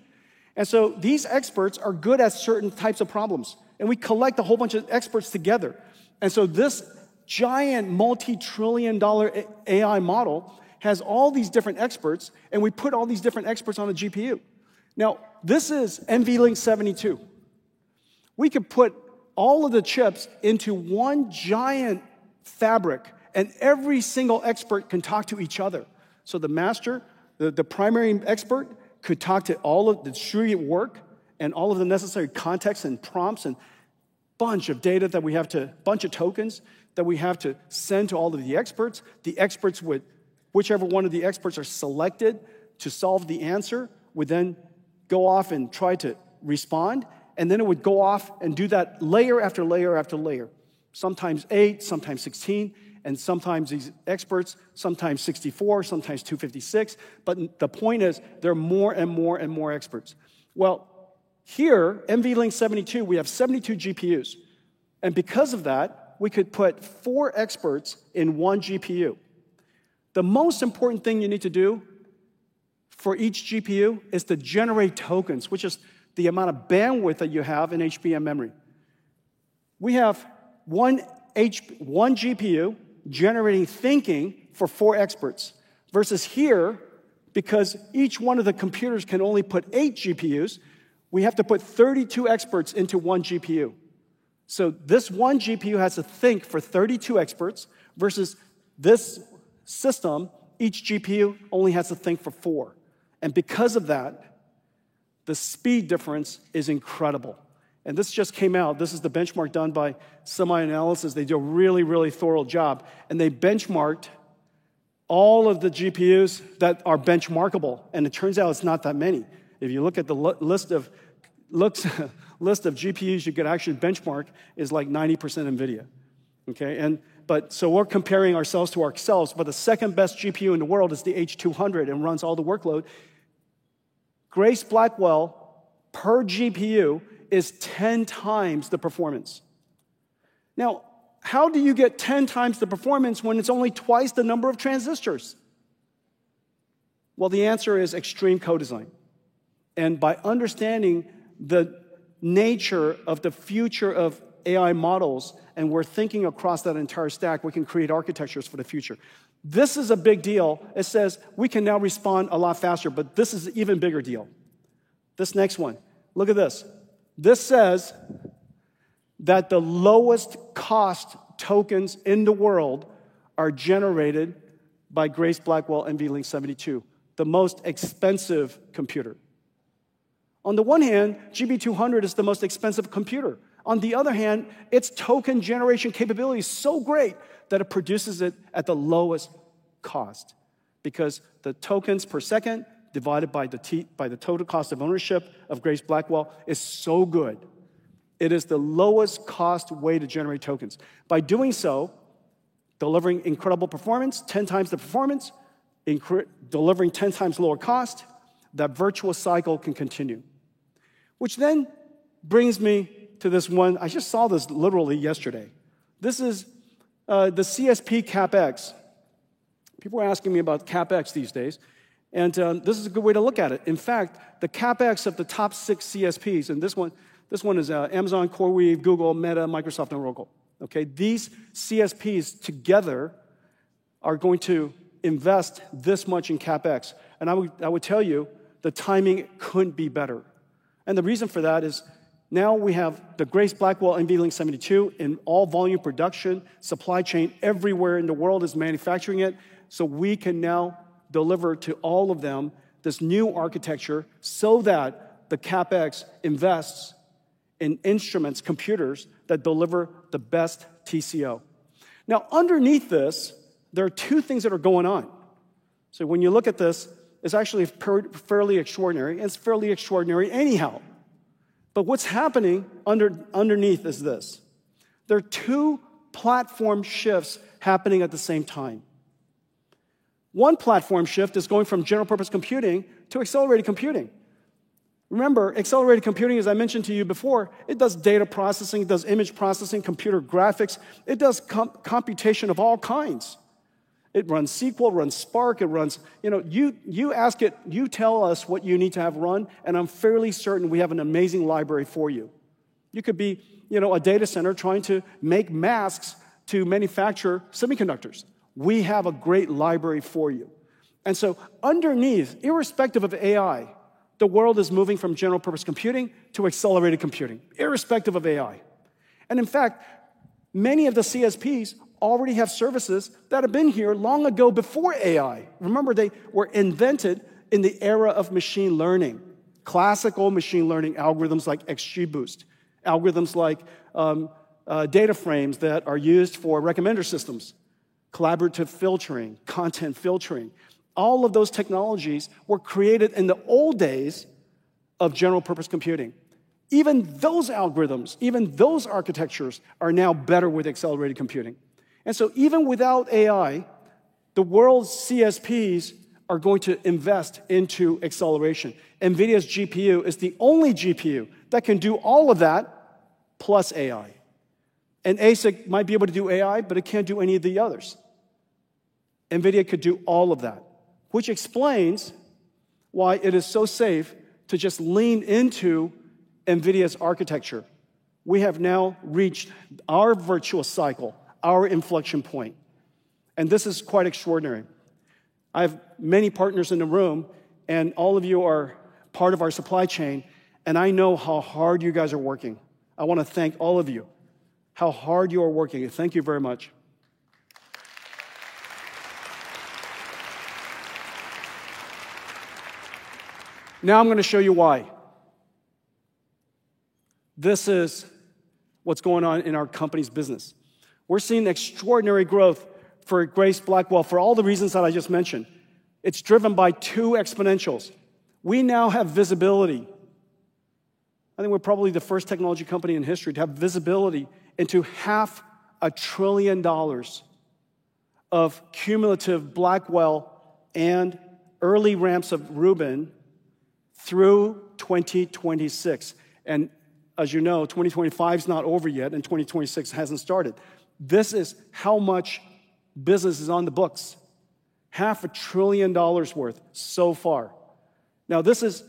And so these experts are good at certain types of problems. And we collect a whole bunch of experts together. And so this giant multi-trillion-dollar AI model has all these different experts, and we put all these different experts on a GPU. Now, this is NVLink72. We could put all of the chips into one giant fabric, and every single expert can talk to each other. So the master, the primary expert, could talk to all of the other experts and all of the necessary contexts and prompts and a bunch of data that we have to, a bunch of tokens that we have to send to all of the experts. The experts would, whichever one of the experts are selected to solve the answer, would then go off and try to respond. And then it would go off and do that layer after layer after layer. Sometimes 8, sometimes 16, and sometimes these experts, sometimes 64, sometimes 256. But the point is there are more and more and more experts. Well, here, NVLink72, we have 72 GPUs. And because of that, we could put four experts in one GPU. The most important thing you need to do for each GPU is to generate tokens, which is the amount of bandwidth that you have in HBM memory. We have one GPU generating thinking for four experts versus here, because each one of the computers can only put eight GPUs, we have to put 32 experts into one GPU. So this one GPU has to think for 32 experts versus this system, each GPU only has to think for four. And because of that, the speed difference is incredible. And this just came out. This is the benchmark done by SemiAnalysis. They do a really, really thorough job. And they benchmarked all of the GPUs that are benchmarkable. And it turns out it's not that many. If you look at the list of GPUs you could actually benchmark, it's like 90% NVIDIA. Okay? And but so we're comparing ourselves to ourselves, but the second best GPU in the world is the H200 and runs all the workload. Grace Blackwell, per GPU, is 10 times the performance. Now, how do you get 10 times the performance when it's only twice the number of transistors? Well, the answer is extreme co-design. And by understanding the nature of the future of AI models and we're thinking across that entire stack, we can create architectures for the future. This is a big deal. It says we can now respond a lot faster, but this is an even bigger deal. This next one, look at this. This says that the lowest cost tokens in the world are generated by Grace Blackwell NVLink72, the most expensive computer. On the one hand, GB200 is the most expensive computer. On the other hand, its token generation capability is so great that it produces it at the lowest cost because the tokens per second divided by the total cost of ownership of Grace Blackwell is so good. It is the lowest cost way to generate tokens. By doing so, delivering incredible performance, 10 times the performance, delivering 10 times lower cost, that virtual cycle can continue. Which then brings me to this one. I just saw this literally yesterday. This is the CSP CapEx. People are asking me about CapEx these days, and this is a good way to look at it. In fact, the CapEx of the top six CSPs, and this one, this one is Amazon, CoreWeave, Google, Meta, Microsoft, and Oracle. Okay? These CSPs together are going to invest this much in CapEx. And I would tell you, the timing couldn't be better. And the reason for that is now we have the Grace Blackwell NVLink72 in all volume production, supply chain everywhere in the world is manufacturing it. So we can now deliver to all of them this new architecture so that the CapEx invests in instruments, computers that deliver the best TCO. Now, underneath this, there are two things that are going on. So when you look at this, it's actually fairly extraordinary, and it's fairly extraordinary anyhow. But what's happening underneath is this. There are two platform shifts happening at the same time. One platform shift is going from general purpose computing to accelerated computing. Remember, accelerated computing, as I mentioned to you before, it does data processing, it does image processing, computer graphics. It does computation of all kinds. It runs SQL, runs Spark, it runs, you know, you ask it, you tell us what you need to have run, and I'm fairly certain we have an amazing library for you. You could be, you know, a data center trying to make masks to manufacture semiconductors. We have a great library for you. And so underneath, irrespective of AI, the world is moving from general purpose computing to accelerated computing, irrespective of AI. And in fact, many of the CSPs already have services that have been here long ago before AI. Remember, they were invented in the era of machine learning, classical machine learning algorithms like XGBoost, algorithms like data frames that are used for recommender systems, collaborative filtering, content filtering. All of those technologies were created in the old days of general purpose computing. Even those algorithms, even those architectures are now better with accelerated computing, and so even without AI, the world's CSPs are going to invest into acceleration. NVIDIA's GPU is the only GPU that can do all of that plus AI. An ASIC might be able to do AI, but it can't do any of the others. NVIDIA could do all of that, which explains why it is so safe to just lean into NVIDIA's architecture. We have now reached our virtuous cycle, our inflection point. This is quite extraordinary. I have many partners in the room, and all of you are part of our supply chain, and I know how hard you guys are working. I want to thank all of you. Thank you very much. Now I'm going to show you why. This is what's going on in our company's business. We're seeing extraordinary growth for Grace Blackwell for all the reasons that I just mentioned. It's driven by two exponentials. We now have visibility. I think we're probably the first technology company in history to have visibility into $500 billion of cumulative Blackwell and early ramps of Rubin through 2026, and as you know, 2025 is not over yet, and 2026 hasn't started. This is how much business is on the books, $500 billion worth so far. Now this is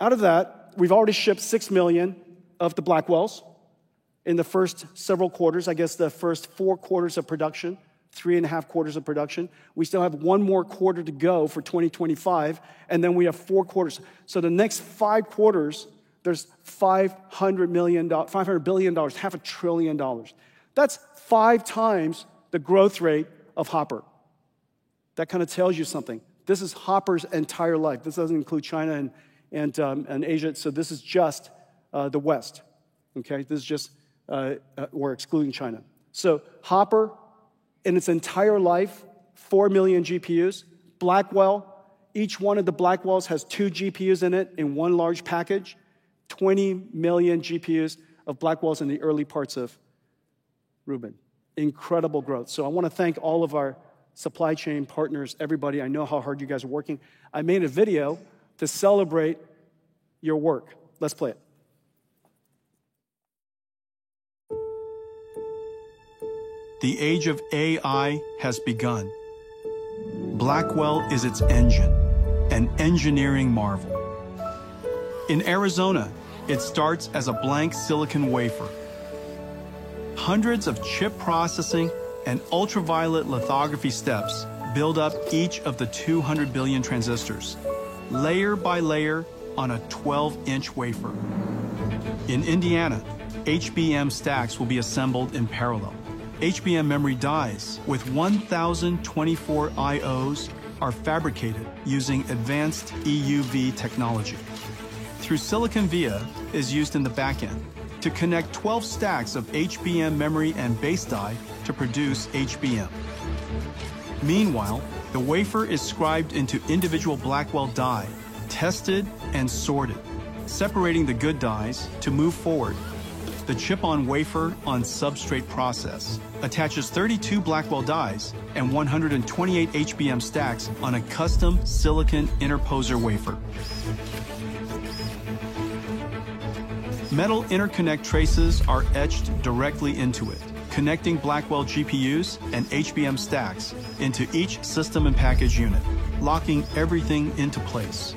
out of that. We've already shipped six million of the Blackwells in the first several quarters, I guess the first four quarters of production, three and a half quarters of production. We still have one more quarter to go for 2025, and then we have four quarters. The next five quarters, there's $500 billion, $500 billion. That's five times the growth rate of Hopper. That kind of tells you something. This is Hopper's entire life. This doesn't include China and Asia, so this is just the West. Okay? This is just, we're excluding China. Hopper in its entire life, four million GPUs. Blackwell, each one of the Blackwells has two GPUs in it in one large package, 20 million GPUs of Blackwells in the early parts of Rubin. Incredible growth. I want to thank all of our supply chain partners, everybody. I know how hard you guys are working. I made a video to celebrate your work. Let's play it. The age of AI has begun. Blackwell is its engine, an engineering marvel. In Arizona, it starts as a blank silicon wafer. Hundreds of chip processing and ultraviolet lithography steps build up each of the 200 billion transistors, layer by layer on a 12-inch wafer. In Indiana, HBM stacks will be assembled in parallel. HBM memory dies with 1,024 IOs are fabricated using advanced EUV technology. Through-silicon via is used in the backend to connect 12 stacks of HBM memory and base die to produce HBM. Meanwhile, the wafer is scribed into individual Blackwell die, tested and sorted, separating the good dies to move forward. The chip-on-wafer-on-substrate process attaches 32 Blackwell dies and 128 HBM stacks on a custom silicon interposer wafer. Metal interconnect traces are etched directly into it, connecting Blackwell GPUs and HBM stacks into each system and package unit, locking everything into place,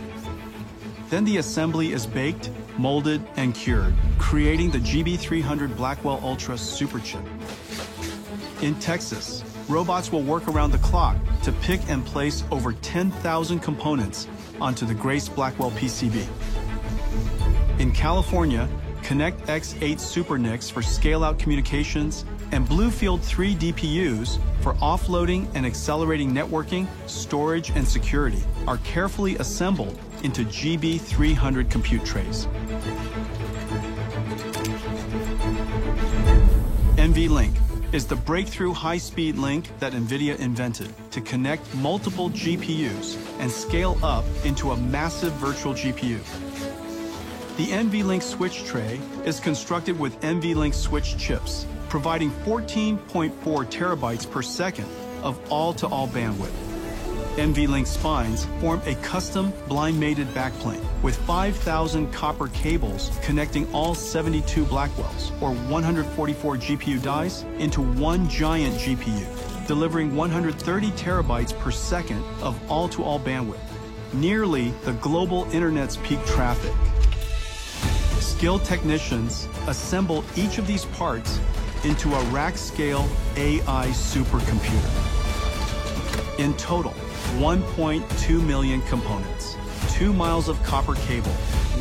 then the assembly is baked, molded, and cured, creating the GB300 Blackwell Ultra superchip. In Texas, robots will work around the clock to pick and place over 10,000 components onto the Grace Blackwell PCB. In California, ConnectX-8 SuperNICs for scale-out communications and BlueField-3 DPUs for offloading and accelerating networking, storage, and security are carefully assembled into GB300 compute trays. NVLink is the breakthrough high-speed link that NVIDIA invented to connect multiple GPUs and scale up into a massive virtual GPU. The NVLink switch tray is constructed with NVLink switch chips, providing 14.4 terabytes per second of all-to-all bandwidth. NVLink spines form a custom blind-mated backplane with 5,000 copper cables connecting all 72 Blackwells or 144 GPU dies into one giant GPU, delivering 130 terabytes per second of all-to-all bandwidth, nearly the global internet's peak traffic. Skilled technicians assemble each of these parts into a rack-scale AI supercomputer. In total, 1.2 million components, two miles of copper cable,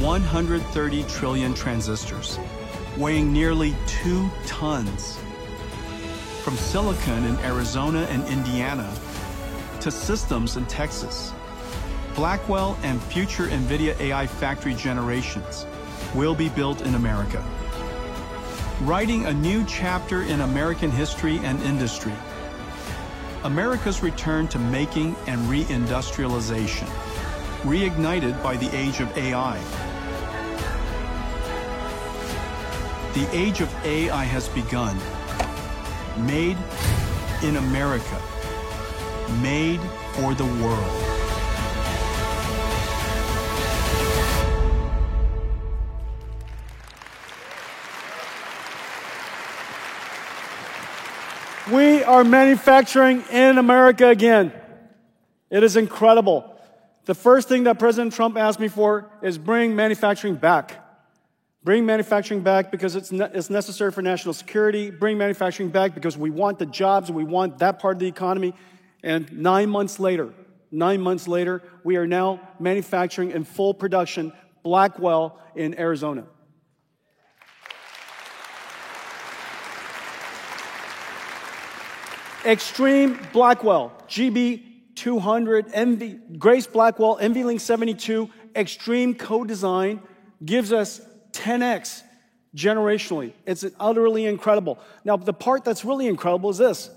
130 trillion transistors weighing nearly two tons. From silicon in Arizona and Indiana to systems in Texas, Blackwell and future NVIDIA AI factory generations will be built in America, writing a new chapter in American history and industry. America's return to making and reindustrialization, reignited by the age of AI. The age of AI has begun, made in America, made for the world. We are manufacturing in America again. It is incredible. The first thing that President Trump asked me for is bring manufacturing back. Bring manufacturing back because it is necessary for national security. Bring manufacturing back because we want the jobs and we want that part of the economy, and nine months later, nine months later, we are now manufacturing in full production, Blackwell in Arizona. Extreme Blackwell, GB200, Grace Blackwell, NVLink72. Extreme co-design gives us 10x generationally. It's utterly incredible. Now, the part that's really incredible is this.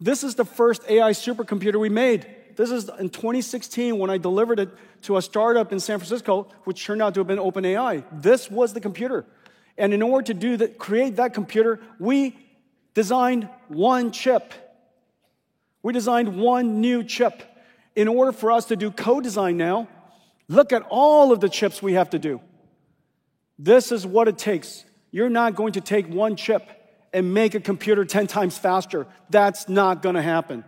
This is the first AI supercomputer we made. This is in 2016 when I delivered it to a startup in San Francisco, which turned out to have been OpenAI. This was the computer. And in order to create that computer, we designed one chip. We designed one new chip. In order for us to do co-design now, look at all of the chips we have to do. This is what it takes. You're not going to take one chip and make a computer 10 times faster. That's not going to happen.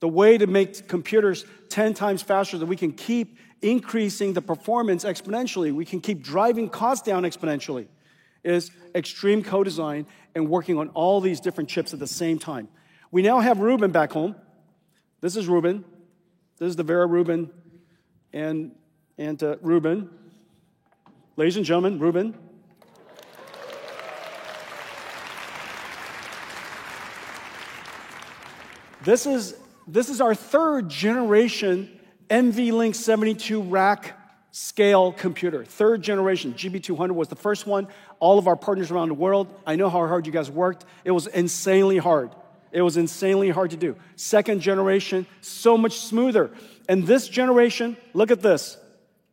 The way to make computers 10 times faster that we can keep increasing the performance exponentially, we can keep driving costs down exponentially, is extreme co-design and working on all these different chips at the same time. We now have Rubin back home. This is Rubin. This is the Vera Rubin and Rubin. Ladies and gentlemen, Rubin. This is our third-generation NVLink72 rack-scale computer. Third generation. GB200 was the first one. All of our partners around the world, I know how hard you guys worked. It was insanely hard. It was insanely hard to do. Second generation, so much smoother. And this generation, look at this,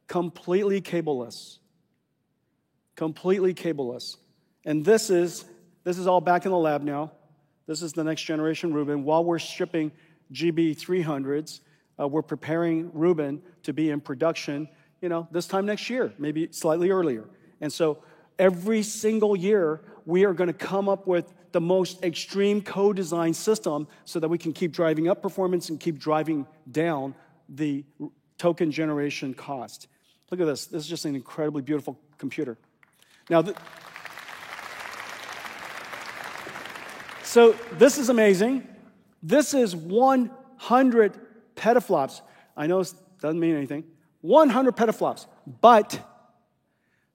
completely cable-less. Completely cable-less. And this is all back in the lab now. This is the next generation Rubin. While we're shipping GB300s, we're preparing Rubin to be in production, you know, this time next year, maybe slightly earlier. And so every single year, we are going to come up with the most extreme co-design system so that we can keep driving up performance and keep driving down the token generation cost. Look at this. This is just an incredibly beautiful computer. Now, so this is amazing. This is 100 petaflops. I know it doesn't mean anything. 100 petaflops, but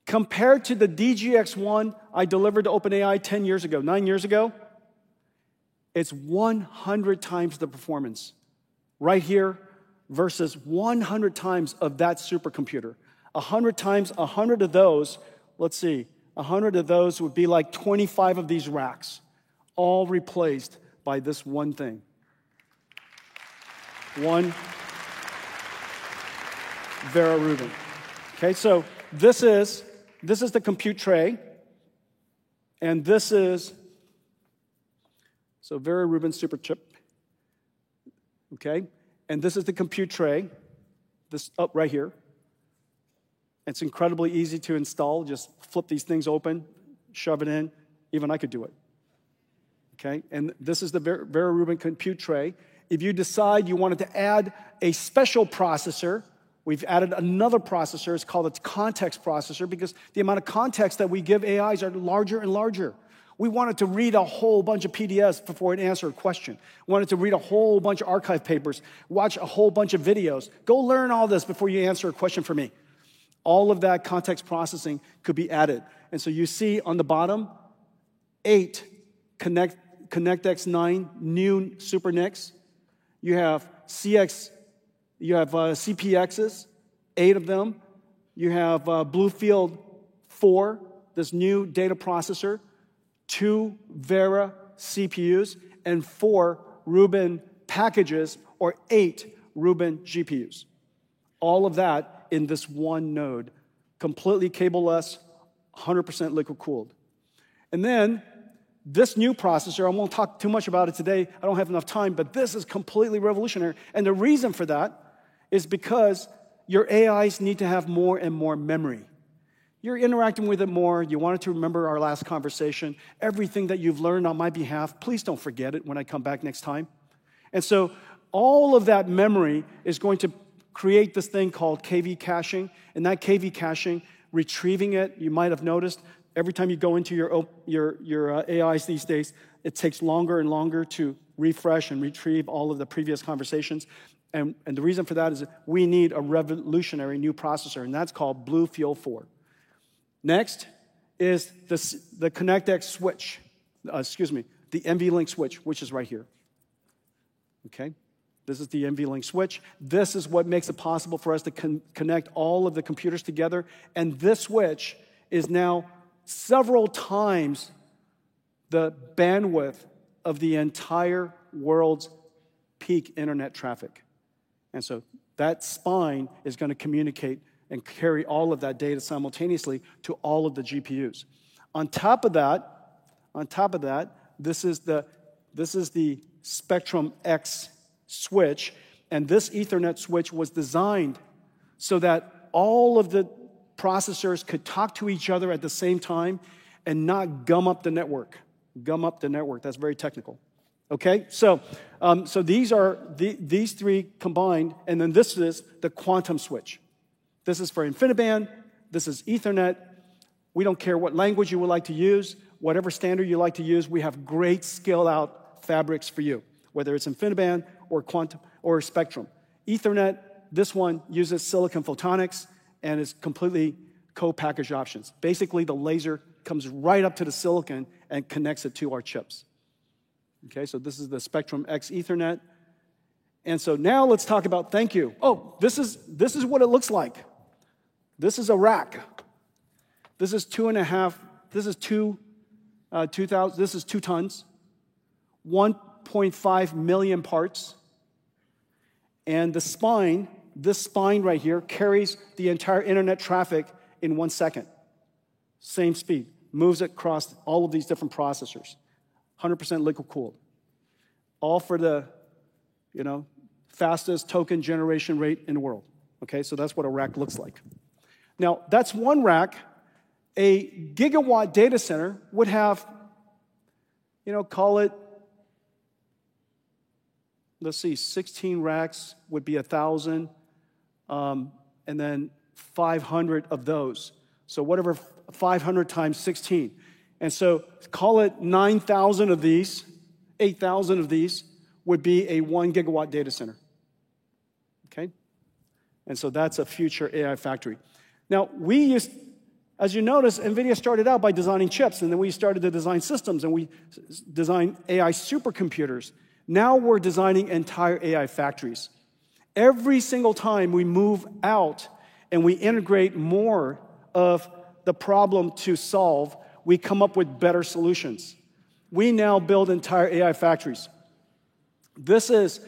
compared to the DGX1 I delivered to OpenAI 10 years ago, nine years ago, it's 100 times the performance right here versus 100 times of that supercomputer. 100 times, 100 of those, let's see, 100 of those would be like 25 of these racks all replaced by this one thing. One Vera Rubin. Okay, so this is the compute tray, and this is, so Vera Rubin superchip. Okay, and this is the compute tray, this up right here. It's incredibly easy to install. Just flip these things open, shove it in. Even I could do it. Okay, and this is the Vera Rubin compute tray. If you decide you wanted to add a special processor, we've added another processor. It's called a context processor because the amount of context that we give AIs are larger and larger. We want it to read a whole bunch of PDFs before it answered a question. We want it to read a whole bunch of archive papers, watch a whole bunch of videos. Go learn all this before you answer a question for me. All of that context processing could be added. And so you see on the bottom, eight ConnectX-9 new SuperNICs. You have CPXs, eight of them. You have BlueField-4, this new data processor, two Vera CPUs, and four Rubin packages or eight Rubin GPUs. All of that in this one node, completely cable-less, 100% liquid-cooled. And then this new processor, I won't talk too much about it today. I don't have enough time, but this is completely revolutionary. And the reason for that is because your AIs need to have more and more memory. You're interacting with it more. You want it to remember our last conversation. Everything that you've learned on my behalf, please don't forget it when I come back next time. And so all of that memory is going to create this thing called KV caching. And that KV caching, retrieving it, you might have noticed every time you go into your AIs these days, it takes longer and longer to refresh and retrieve all of the previous conversations. And the reason for that is we need a revolutionary new processor, and that's called BlueField-4. Next is the ConnectX switch, excuse me, the NVLink switch, which is right here. Okay, this is the NVLink switch. This is what makes it possible for us to connect all of the computers together. And this switch is now several times the bandwidth of the entire world's peak internet traffic. And so that spine is going to communicate and carry all of that data simultaneously to all of the GPUs. On top of that, on top of that, this is the Spectrum-X switch. And this Ethernet switch was designed so that all of the processors could talk to each other at the same time and not gum up the network, gum up the network. That's very technical. Okay, so these are three combined, and then this is the Quantum-2 switch. This is for InfiniBand. This is Ethernet. We don't care what language you would like to use, whatever standard you like to use. We have great scale-out fabrics for you, whether it's InfiniBand or Quantum-2 or Spectrum-X. Ethernet. This one uses silicon photonics and is completely co-packaged optics. Basically, the laser comes right up to the silicon and connects it to our chips. Okay, so this is the Spectrum-X Ethernet. And so now let's talk about it. Thank you. Oh, this is what it looks like. This is a rack. This is two and a half, this is two tons, 1.5 million parts. And the spine, this spine right here carries the entire internet traffic in one second. Same speed, moves across all of these different processors, 100% liquid-cooled, all for the, you know, fastest token generation rate in the world. Okay, so that's what a rack looks like. Now, that's one rack. A gigawatt data center would have, you know, call it, let's see, 16 racks would be 1,000, and then 500 of those. So whatever 500 times 16. And so call it 9,000 of these, 8,000 of these would be a one gigawatt data center. Okay, and so that's a future AI factory. Now, we use, as you noticed, NVIDIA started out by designing chips, and then we started to design systems, and we designed AI supercomputers. Now we're designing entire AI factories. Every single time we move out and we integrate more of the problem to solve, we come up with better solutions. We now build entire AI factories. This is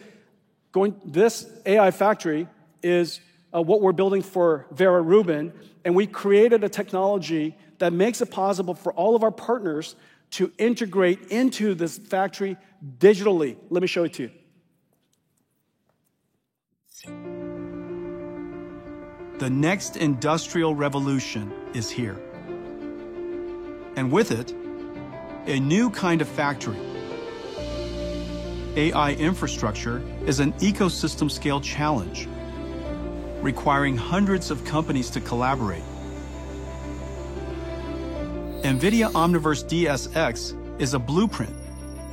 going, this AI factory is what we're building for Vera Rubin, and we created a technology that makes it possible for all of our partners to integrate into this factory digitally. Let me show it to you. The next industrial revolution is here, and with it, a new kind of factory. AI infrastructure is an ecosystem-scale challenge, requiring hundreds of companies to collaborate. NVIDIA Omniverse DSX is a blueprint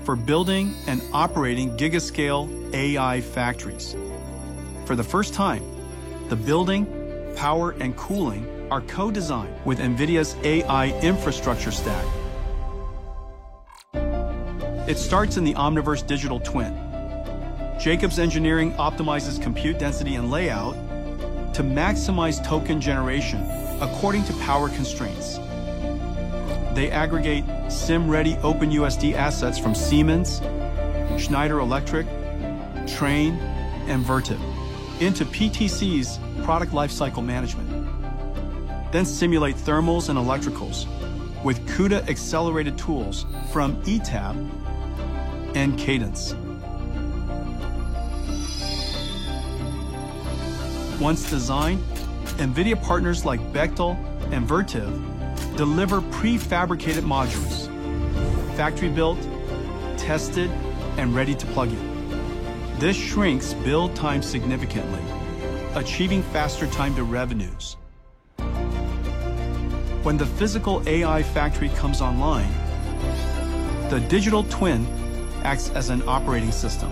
for building and operating gigascale AI factories. For the first time, the building, power, and cooling are co-designed with NVIDIA's AI infrastructure stack. It starts in the Omniverse Digital Twin. Jacobs Engineering optimizes compute density and layout to maximize token generation according to power constraints. They aggregate SIM-ready OpenUSD assets from Siemens, Schneider Electric, Trane, and Vertiv into PTC's product lifecycle management. Then simulate thermals and electricals with CUDA-accelerated tools from ETAP and Cadence. Once designed, NVIDIA partners like Bechtel and Vertiv deliver prefabricated modules, factory-built, tested, and ready to plug in. This shrinks build time significantly, achieving faster time to revenues. When the physical AI factory comes online, the digital twin acts as an operating system.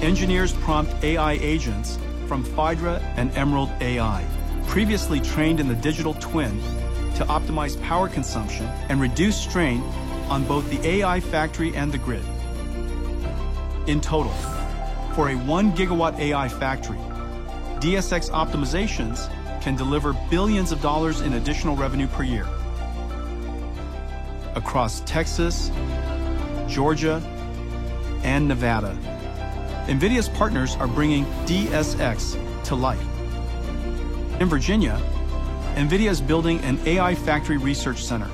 Engineers prompt AI agents from Phaidra and Emerald AI, previously trained in the digital twin, to optimize power consumption and reduce strain on both the AI factory and the grid. In total, for a one gigawatt AI factory, DSX optimizations can deliver billions of dollars in additional revenue per year. Across Texas, Georgia, and Nevada, NVIDIA's partners are bringing DSX to life. In Virginia, NVIDIA is building an AI factory research center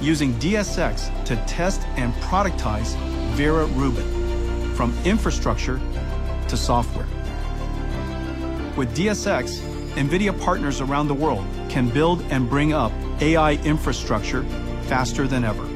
using DSX to test and productize Vera Rubin from infrastructure to software. With DSX, NVIDIA partners around the world can build and bring up AI infrastructure faster than ever.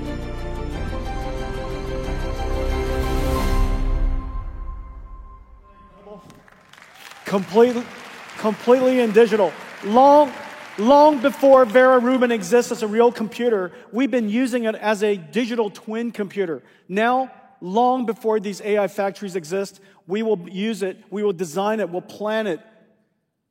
Completely in digital. Long, long before Vera Rubin exists as a real computer, we've been using it as a digital twin computer. Now, long before these AI factories exist, we will use it, we will design it, we'll plan it,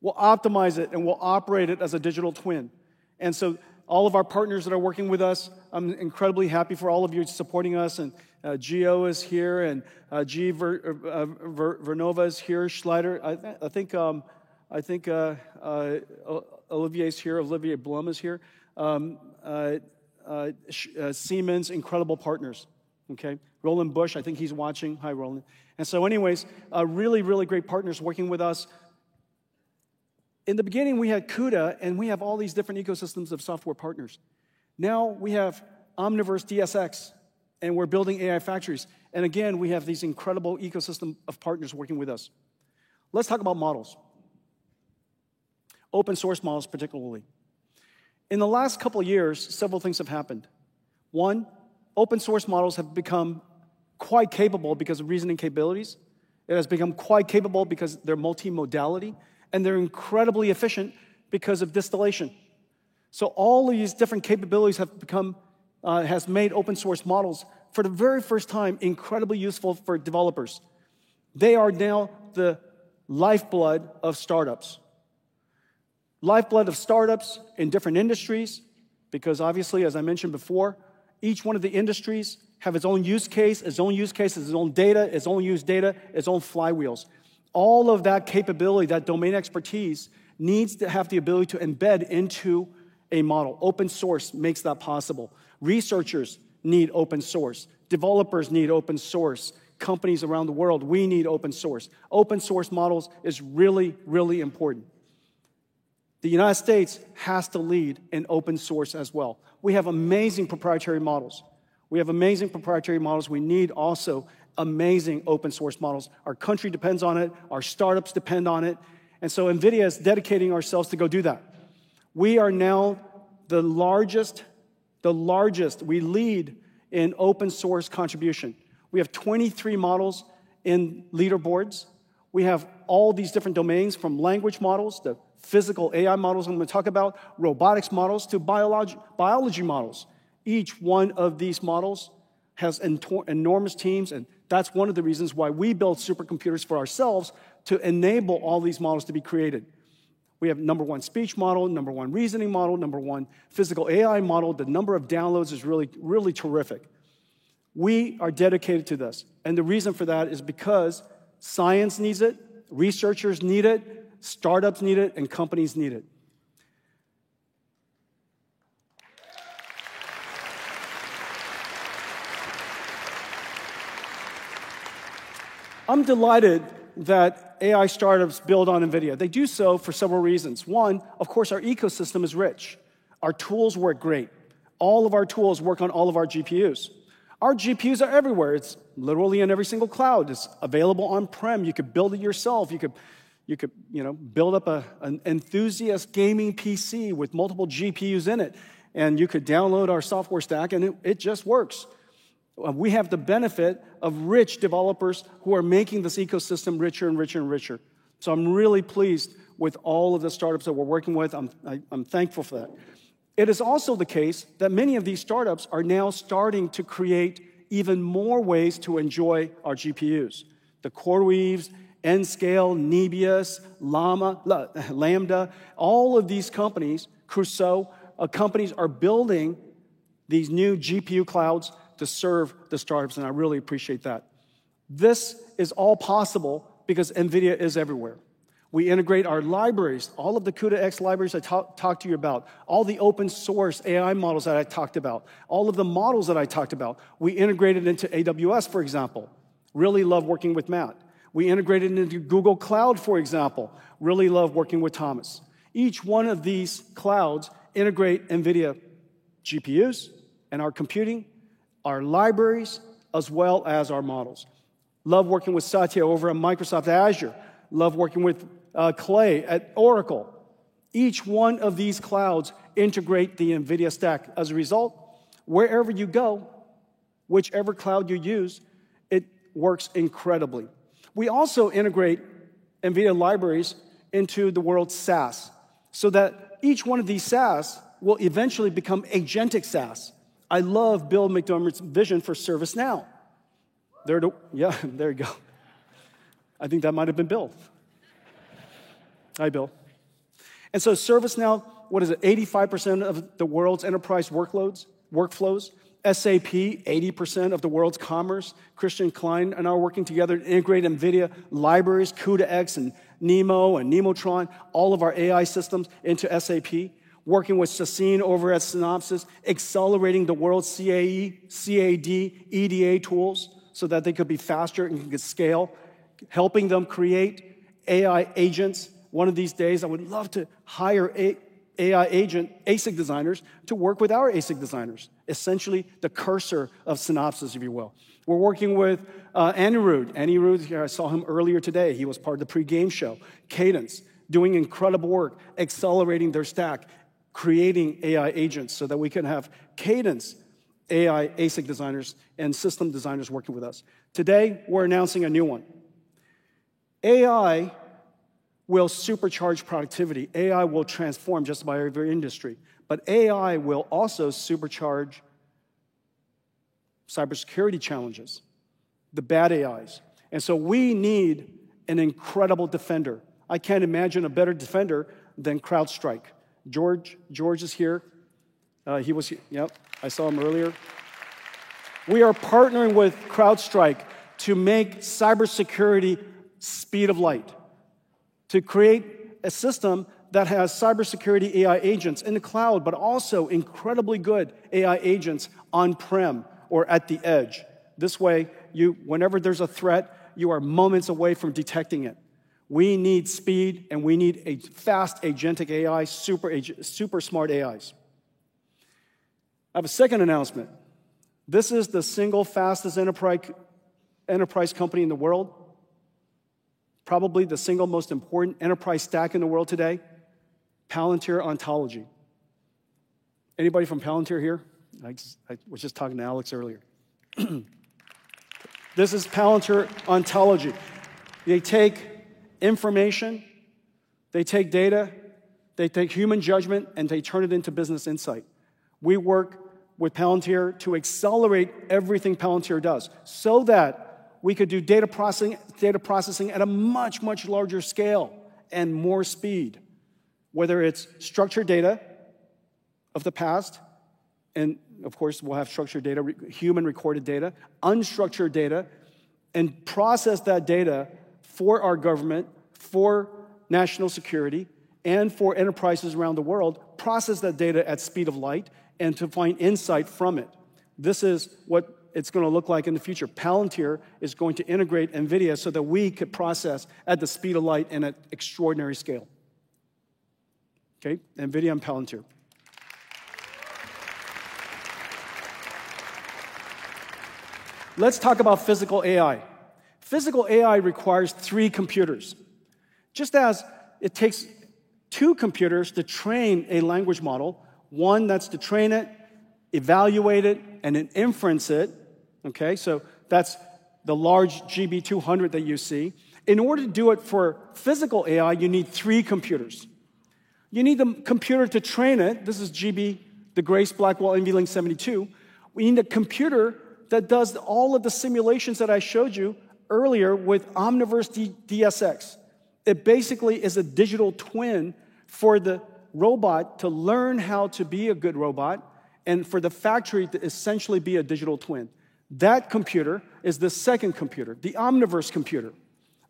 we'll optimize it, and we'll operate it as a digital twin. And so all of our partners that are working with us, I'm incredibly happy for all of you supporting us. Gio is here, and Vernova is here. Schneider, I think Olivier's here. Olivier Blum is here. Siemens, incredible partners. Okay, Roland Busch, I think he's watching. Hi, Roland. And so anyways, really, really great partners working with us. In the beginning, we had CUDA, and we have all these different ecosystems of software partners. Now we have Omniverse DSX, and we're building AI factories. And again, we have these incredible ecosystem of partners working with us. Let's talk about models. Open-source models, particularly. In the last couple of years, several things have happened. One, open-source models have become quite capable because of reasoning capabilities. It has become quite capable because they're multi-modality, and they're incredibly efficient because of distillation. So all of these different capabilities have become, has made open-source models for the very first time incredibly useful for developers. They are now the lifeblood of startups. Lifeblood of startups in different industries, because obviously, as I mentioned before, each one of the industries has its own use case, its own use cases, its own data, its own user data, its own flywheels. All of that capability, that domain expertise needs to have the ability to embed into a model. Open-source makes that possible. Researchers need open-source. Developers need open-source. Companies around the world, we need open-source. Open-source models is really, really important. The United States has to lead in open-source as well. We have amazing proprietary models. We have amazing proprietary models. We need also amazing open-source models. Our country depends on it. Our startups depend on it. And so NVIDIA is dedicating ourselves to go do that. We are now the largest, the largest, we lead in open-source contribution. We have 23 models in leaderboards. We have all these different domains from language models to physical AI models I'm going to talk about, robotics models to biology models. Each one of these models has enormous teams, and that's one of the reasons why we built supercomputers for ourselves to enable all these models to be created. We have number one speech model, number one reasoning model, number one physical AI model. The number of downloads is really, really terrific. We are dedicated to this, and the reason for that is because science needs it, researchers need it, startups need it, and companies need it. I'm delighted that AI startups build on NVIDIA. They do so for several reasons. One, of course, our ecosystem is rich. Our tools work great. All of our tools work on all of our GPUs. Our GPUs are everywhere. It's literally in every single cloud. It's available on-prem. You could build it yourself. You could, you know, build up an enthusiast gaming PC with multiple GPUs in it, and you could download our software stack, and it just works. We have the benefit of rich developers who are making this ecosystem richer and richer and richer. So I'm really pleased with all of the startups that we're working with. I'm thankful for that. It is also the case that many of these startups are now starting to create even more ways to enjoy our GPUs. The CoreWeave, Nscale, Nebius, Lambda, all of these companies, Crusoe, companies are building these new GPU clouds to serve the startups, and I really appreciate that. This is all possible because NVIDIA is everywhere. We integrate our libraries, all of the CUDA-X libraries I talked to you about, all the open-source AI models that I talked about, all of the models that I talked about. We integrated into AWS, for example. Really love working with Matt. We integrated into Google Cloud, for example. Really love working with Thomas. Each one of these clouds integrates NVIDIA GPUs and our computing, our libraries, as well as our models. Love working with Satya over at Microsoft Azure. Love working with Clay at Oracle. Each one of these clouds integrates the NVIDIA stack. As a result, wherever you go, whichever cloud you use, it works incredibly. We also integrate NVIDIA libraries into the world's SaaS so that each one of these SaaS will eventually become agentic SaaS. I love Bill McDermott's vision for ServiceNow. Yeah, there you go. I think that might have been Bill. Hi, Bill. And so ServiceNow, what is it? 85% of the world's enterprise workloads, workflows. SAP, 80% of the world's commerce. Christian Klein and I are working together to integrate NVIDIA libraries, CUDA-X and Nemo and Nemotron, all of our AI systems into SAP. Working with Sassine over at Synopsys, accelerating the world's CAE, CAD, EDA tools so that they could be faster and could scale, helping them create AI agents. One of these days, I would love to hire AI agent ASIC designers to work with our ASIC designers, essentially the cursor of Synopsys, if you will. We're working with Anirudh. Anirudh, I saw him earlier today. He was part of the pre-game show. Cadence, doing incredible work, accelerating their stack, creating AI agents so that we can have Cadence AI ASIC designers and system designers working with us. Today, we're announcing a new one. AI will supercharge productivity. AI will transform just about every industry, but AI will also supercharge cybersecurity challenges, the bad AIs. And so we need an incredible defender. I can't imagine a better defender than CrowdStrike. George, George is here. He was here. Yep, I saw him earlier. We are partnering with CrowdStrike to make cybersecurity speed of light, to create a system that has cybersecurity AI agents in the cloud, but also incredibly good AI agents on-prem or at the edge. This way, whenever there's a threat, you are moments away from detecting it. We need speed, and we need fast agentic AI, super smart AIs. I have a second announcement. This is the single fastest enterprise company in the world, probably the single most important enterprise stack in the world today, Palantir Ontology. Anybody from Palantir here? I was just talking to Alex earlier. This is Palantir Ontology. They take information, they take data, they take human judgment, and they turn it into business insight. We work with Palantir to accelerate everything Palantir does so that we could do data processing at a much, much larger scale and more speed, whether it's structured data of the past, and of course, we'll have structured data, human recorded data, unstructured data, and process that data for our government, for national security, and for enterprises around the world, process that data at speed of light and to find insight from it. This is what it's going to look like in the future. Palantir is going to integrate NVIDIA so that we could process at the speed of light and at extraordinary scale. Okay, NVIDIA and Palantir. Let's talk about physical AI. Physical AI requires three computers. Just as it takes two computers to train a language model, one that's to train it, evaluate it, and then inference it. Okay, so that's the large GB200 that you see. In order to do it for physical AI, you need three computers. You need the computer to train it. This is GB, the Grace Blackwell NVLink72. We need a computer that does all of the simulations that I showed you earlier with Omniverse DSX. It basically is a digital twin for the robot to learn how to be a good robot and for the factory to essentially be a digital twin. That computer is the second computer, the Omniverse computer.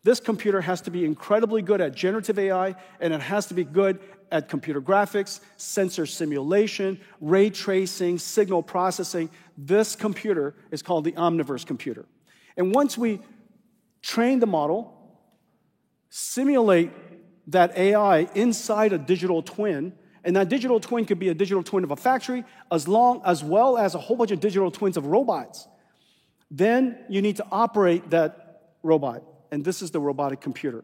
This computer has to be incredibly good at generative AI, and it has to be good at computer graphics, sensor simulation, ray tracing, signal processing. This computer is called the Omniverse computer. And once we train the model, simulate that AI inside a digital twin, and that digital twin could be a digital twin of a factory as well as a whole bunch of digital twins of robots. Then you need to operate that robot, and this is the robotic computer.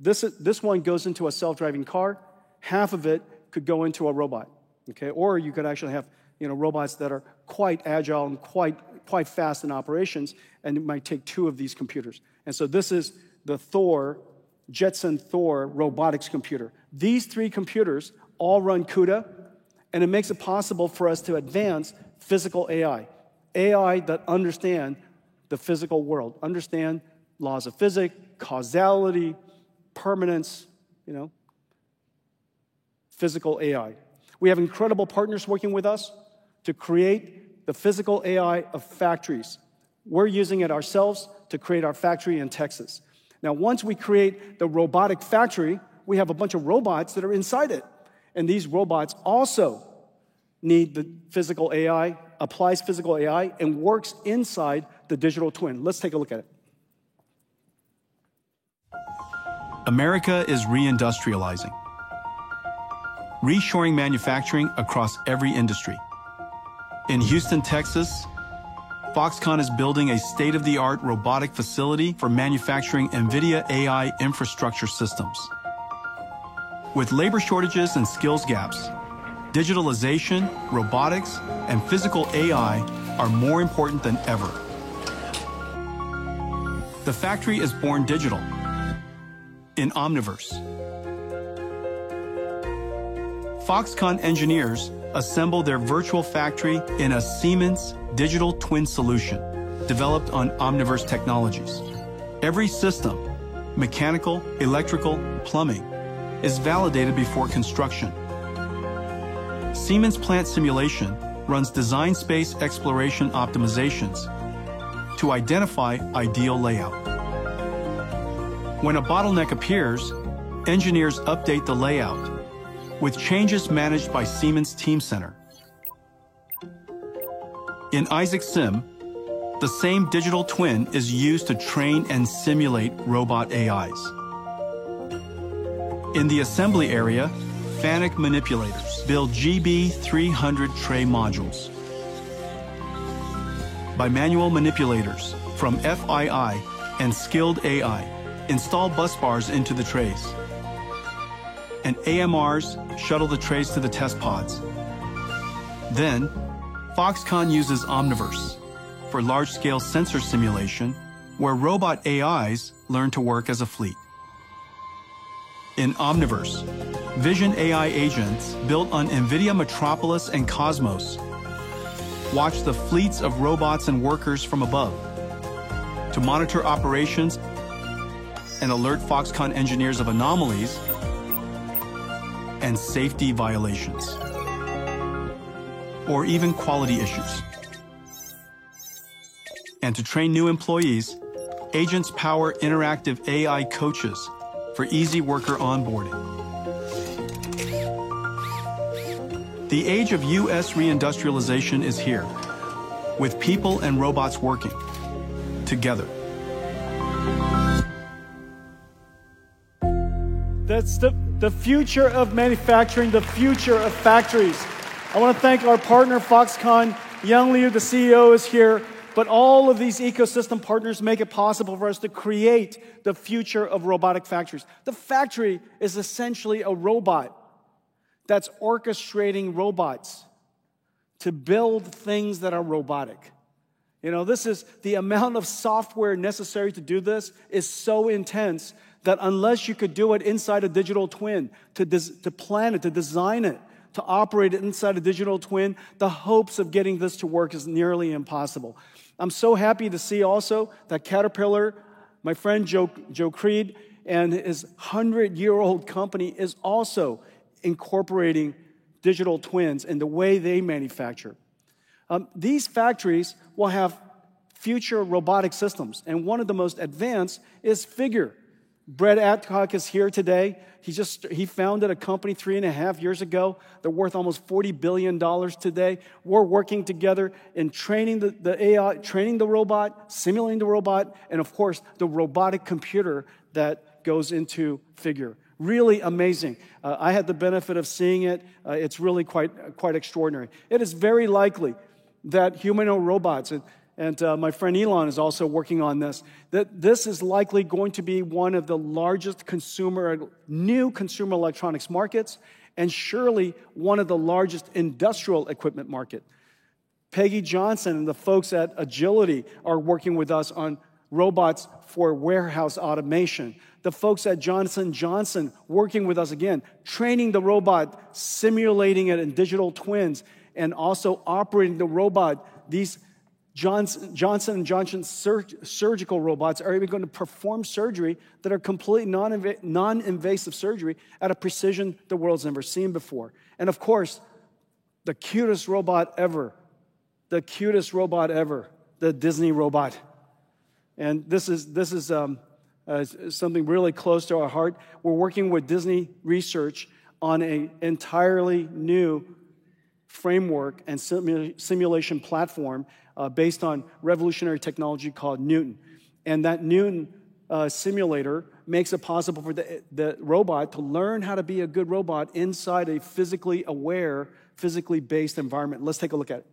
This one goes into a self-driving car. Half of it could go into a robot. Okay, or you could actually have robots that are quite agile and quite fast in operations, and it might take two of these computers. And so this is the Jetson Thor robotics computer. These three computers all run CUDA, and it makes it possible for us to advance physical AI, AI that understands the physical world, understands laws of physics, causality, permanence, you know, physical AI. We have incredible partners working with us to create the physical AI of factories. We're using it ourselves to create our factory in Texas. Now, once we create the robotic factory, we have a bunch of robots that are inside it. And these robots also need the physical AI, apply physical AI, and work inside the digital twin. Let's take a look at it. America is reindustrializing, reshoring manufacturing across every industry. In Houston, Texas, Foxconn is building a state-of-the-art robotic facility for manufacturing NVIDIA AI infrastructure systems. With labor shortages and skills gaps, digitalization, robotics, and physical AI are more important than ever. The factory is born digital in Omniverse. Foxconn engineers assemble their virtual factory in a Siemens digital twin solution developed on Omniverse technologies. Every system, mechanical, electrical, plumbing, is validated before construction. Siemens Plant Simulation runs design space exploration optimizations to identify ideal layout. When a bottleneck appears, engineers update the layout with changes managed by Siemens Teamcenter. In Isaac Sim, the same digital twin is used to train and simulate robot AIs. In the assembly area, FANUC manipulators build GB300 tray modules. By manual manipulators from FII and skilled AI, install busbars into the trays, and AMRs shuttle the trays to the test pods. Then Foxconn uses Omniverse for large-scale sensor simulation where robot AIs learn to work as a fleet. In Omniverse, vision AI agents built on NVIDIA Metropolis and Cosmos watch the fleets of robots and workers from above to monitor operations and alert Foxconn engineers of anomalies and safety violations or even quality issues, and to train new employees, agents power interactive AI coaches for easy worker onboarding. The age of U.S. reindustrialization is here with people and robots working together. That's the future of manufacturing, the future of factories. I want to thank our partner, Foxconn. Young Liu, the CEO, is here, but all of these ecosystem partners make it possible for us to create the future of robotic factories. The factory is essentially a robot that's orchestrating robots to build things that are robotic. You know, this is the amount of software necessary to do this is so intense that unless you could do it inside a digital twin, to plan it, to design it, to operate it inside a digital twin, the hopes of getting this to work is nearly impossible. I'm so happy to see also that Caterpillar, my friend Joe Creed, and his 100-year-old company is also incorporating digital twins in the way they manufacture. These factories will have future robotic systems, and one of the most advanced is Figure. Brett Adcock is here today. He just founded a company three and a half years ago. They're worth almost $40 billion today. We're working together in training the AI, training the robot, simulating the robot, and of course, the robotic computer that goes into Figure. Really amazing. I had the benefit of seeing it. It's really quite extraordinary. It is very likely that humanoid robots and my friend Elon is also working on this. This is likely going to be one of the largest new consumer electronics markets and surely one of the largest industrial equipment markets. Peggy Johnson and the folks at Agility are working with us on robots for warehouse automation. The folks at Johnson & Johnson working with us again, training the robot, simulating it in digital twins, and also operating the robot. These Johnson & Johnson surgical robots are even going to perform surgery that are completely non-invasive surgery at a precision the world's never seen before. And of course, the cutest robot ever, the cutest robot ever, the Disney robot. This is something really close to our heart. We're working with Disney Research on an entirely new framework and simulation platform based on revolutionary technology called Newton. That Newton simulator makes it possible for the robot to learn how to be a good robot inside a physically aware, physically based environment. Let's take a look at it.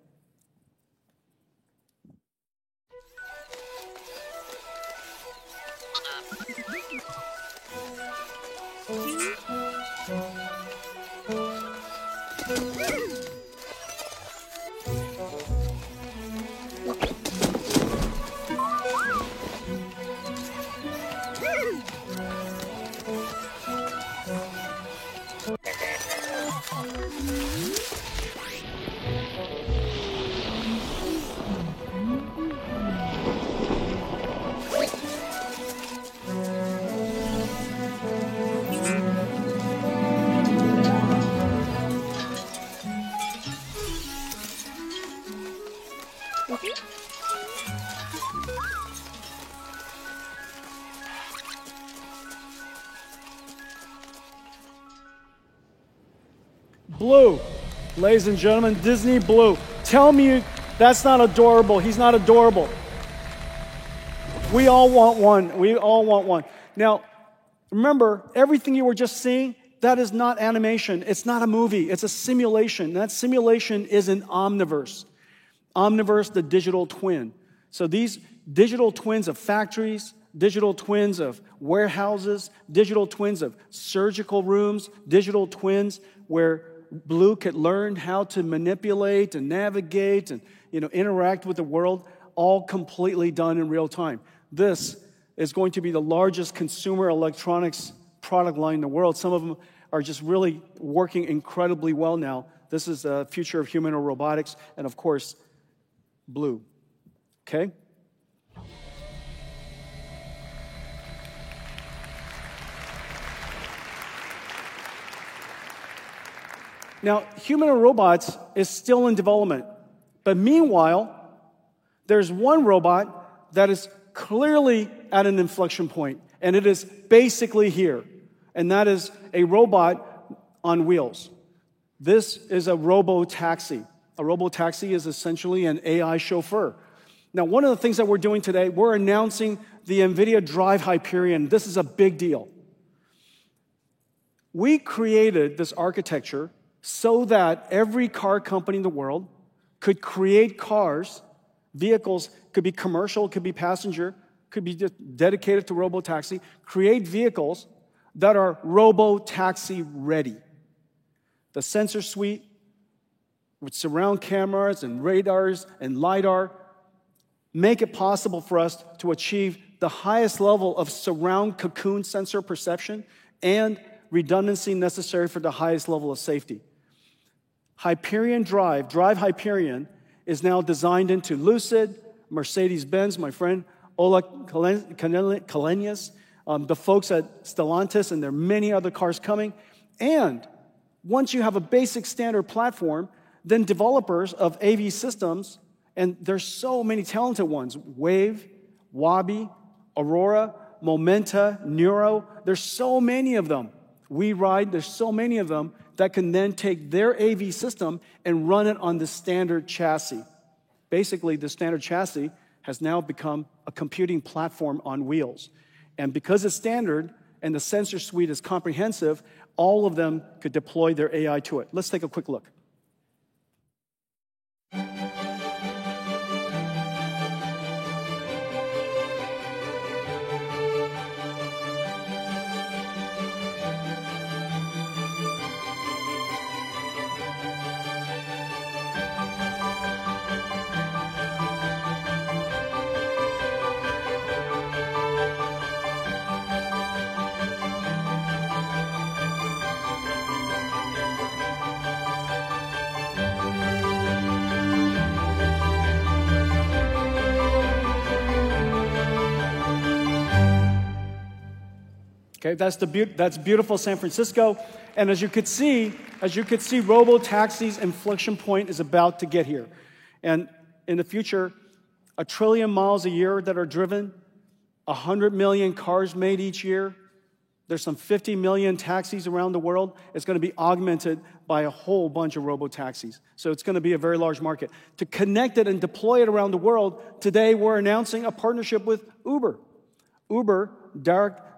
Blue, ladies and gentlemen, Disney Blue. Tell me. That's not adorable. He's not adorable. We all want one. We all want one. Now, remember everything you were just seeing? That is not animation. It's not a movie. It's a simulation. That simulation is in Omniverse. Omniverse, the digital twin. So these digital twins of factories, digital twins of warehouses, digital twins of surgical rooms, digital twins where Blue could learn how to manipulate and navigate and interact with the world, all completely done in real time. This is going to be the largest consumer electronics product line in the world. Some of them are just really working incredibly well now. This is the future of humanoid robotics and, of course, Blue. Okay. Now, humanoid robots are still in development, but meanwhile, there's one robot that is clearly at an inflection point, and it is basically here, and that is a robot on wheels. This is a robotaxi. A robotaxi is essentially an AI chauffeur. Now, one of the things that we're doing today, we're announcing the NVIDIA DRIVE Hyperion. This is a big deal. We created this architecture so that every car company in the world could create cars, vehicles could be commercial, could be passenger, could be dedicated to robotaxi, create vehicles that are robotaxi ready. The sensor suite with surround cameras and radars and LiDAR makes it possible for us to achieve the highest level of surround cocoon sensor perception and redundancy necessary for the highest level of safety. Hyperion Drive, DRIVE Hyperion, is now designed into Lucid, Mercedes-Benz, my friend, Ola Källenius, the folks at Stellantis, and there are many other cars coming. And once you have a basic standard platform, then developers of AV systems, and there's so many talented ones, Wayve, Waabi, Aurora, Momenta, Nuro, there's so many of them. WeRide, there's so many of them that can then take their AV system and run it on the standard chassis. Basically, the standard chassis has now become a computing platform on wheels. And because it's standard and the sensor suite is comprehensive, all of them could deploy their AI to it. Let's take a quick look. Okay, that's the beautiful San Francisco. And as you could see, robotaxi's inflection point is about to get here. And in the future, a trillion miles a year that are driven, 100 million cars made each year, there's some 50 million taxis around the world. It's going to be augmented by a whole bunch of robotaxis. So it's going to be a very large market. To connect it and deploy it around the world, today we're announcing a partnership with Uber. Uber,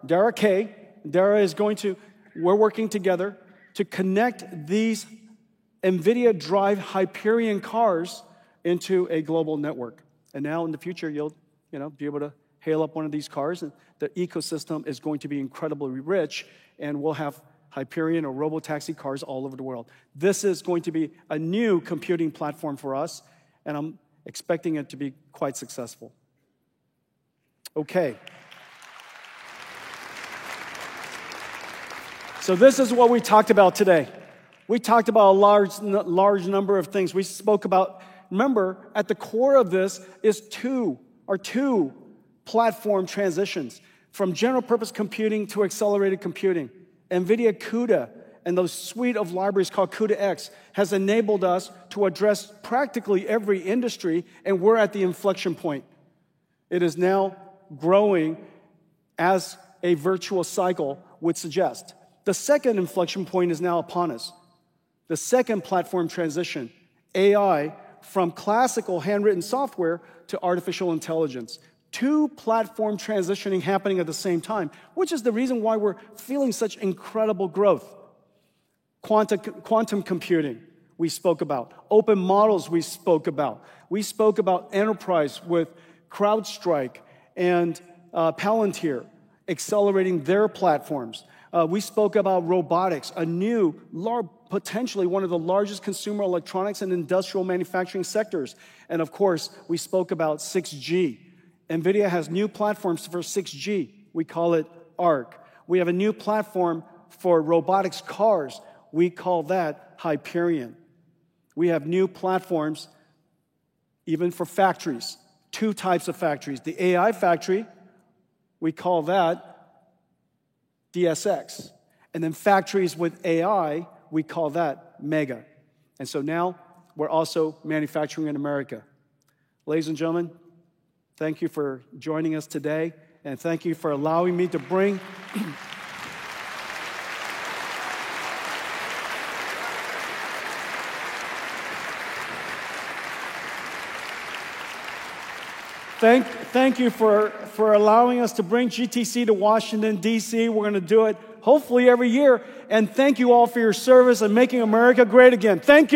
Dara is going to, we're working together to connect these NVIDIA DRIVE Hyperion cars into a global network. And now in the future, you'll be able to hail up one of these cars, and the ecosystem is going to be incredibly rich, and we'll have Hyperion or robotaxi cars all over the world. This is going to be a new computing platform for us, and I'm expecting it to be quite successful. Okay, so this is what we talked about today. We talked about a large number of things. We spoke about, remember, at the core of this are two platform transitions from general purpose computing to accelerated computing. NVIDIA CUDA and the suite of libraries called CUDA-X has enabled us to address practically every industry, and we're at the inflection point. It is now growing as a virtuous cycle would suggest. The second inflection point is now upon us. The second platform transition, AI from classical handwritten software to artificial intelligence. Two platforms transitioning happening at the same time, which is the reason why we're feeling such incredible growth. Quantum computing we spoke about, open models we spoke about. We spoke about enterprise with CrowdStrike and Palantir accelerating their platforms. We spoke about robotics, a new, potentially one of the largest consumer electronics and industrial manufacturing sectors, and of course, we spoke about 6G. NVIDIA has new platforms for 6G. We call it Arc. We have a new platform for robotics cars. We call that Hyperion. We have new platforms even for factories, two types of factories. The AI factory, we call that DSX. Then factories with AI, we call that Metropolis. So now we're also manufacturing in America. Ladies and gentlemen, thank you for joining us today, and thank you for allowing me to bring... Thank you for allowing us to bring GTC to Washington, D.C. We're going to do it hopefully every year. And thank you all for your service and making America great again. Thank you.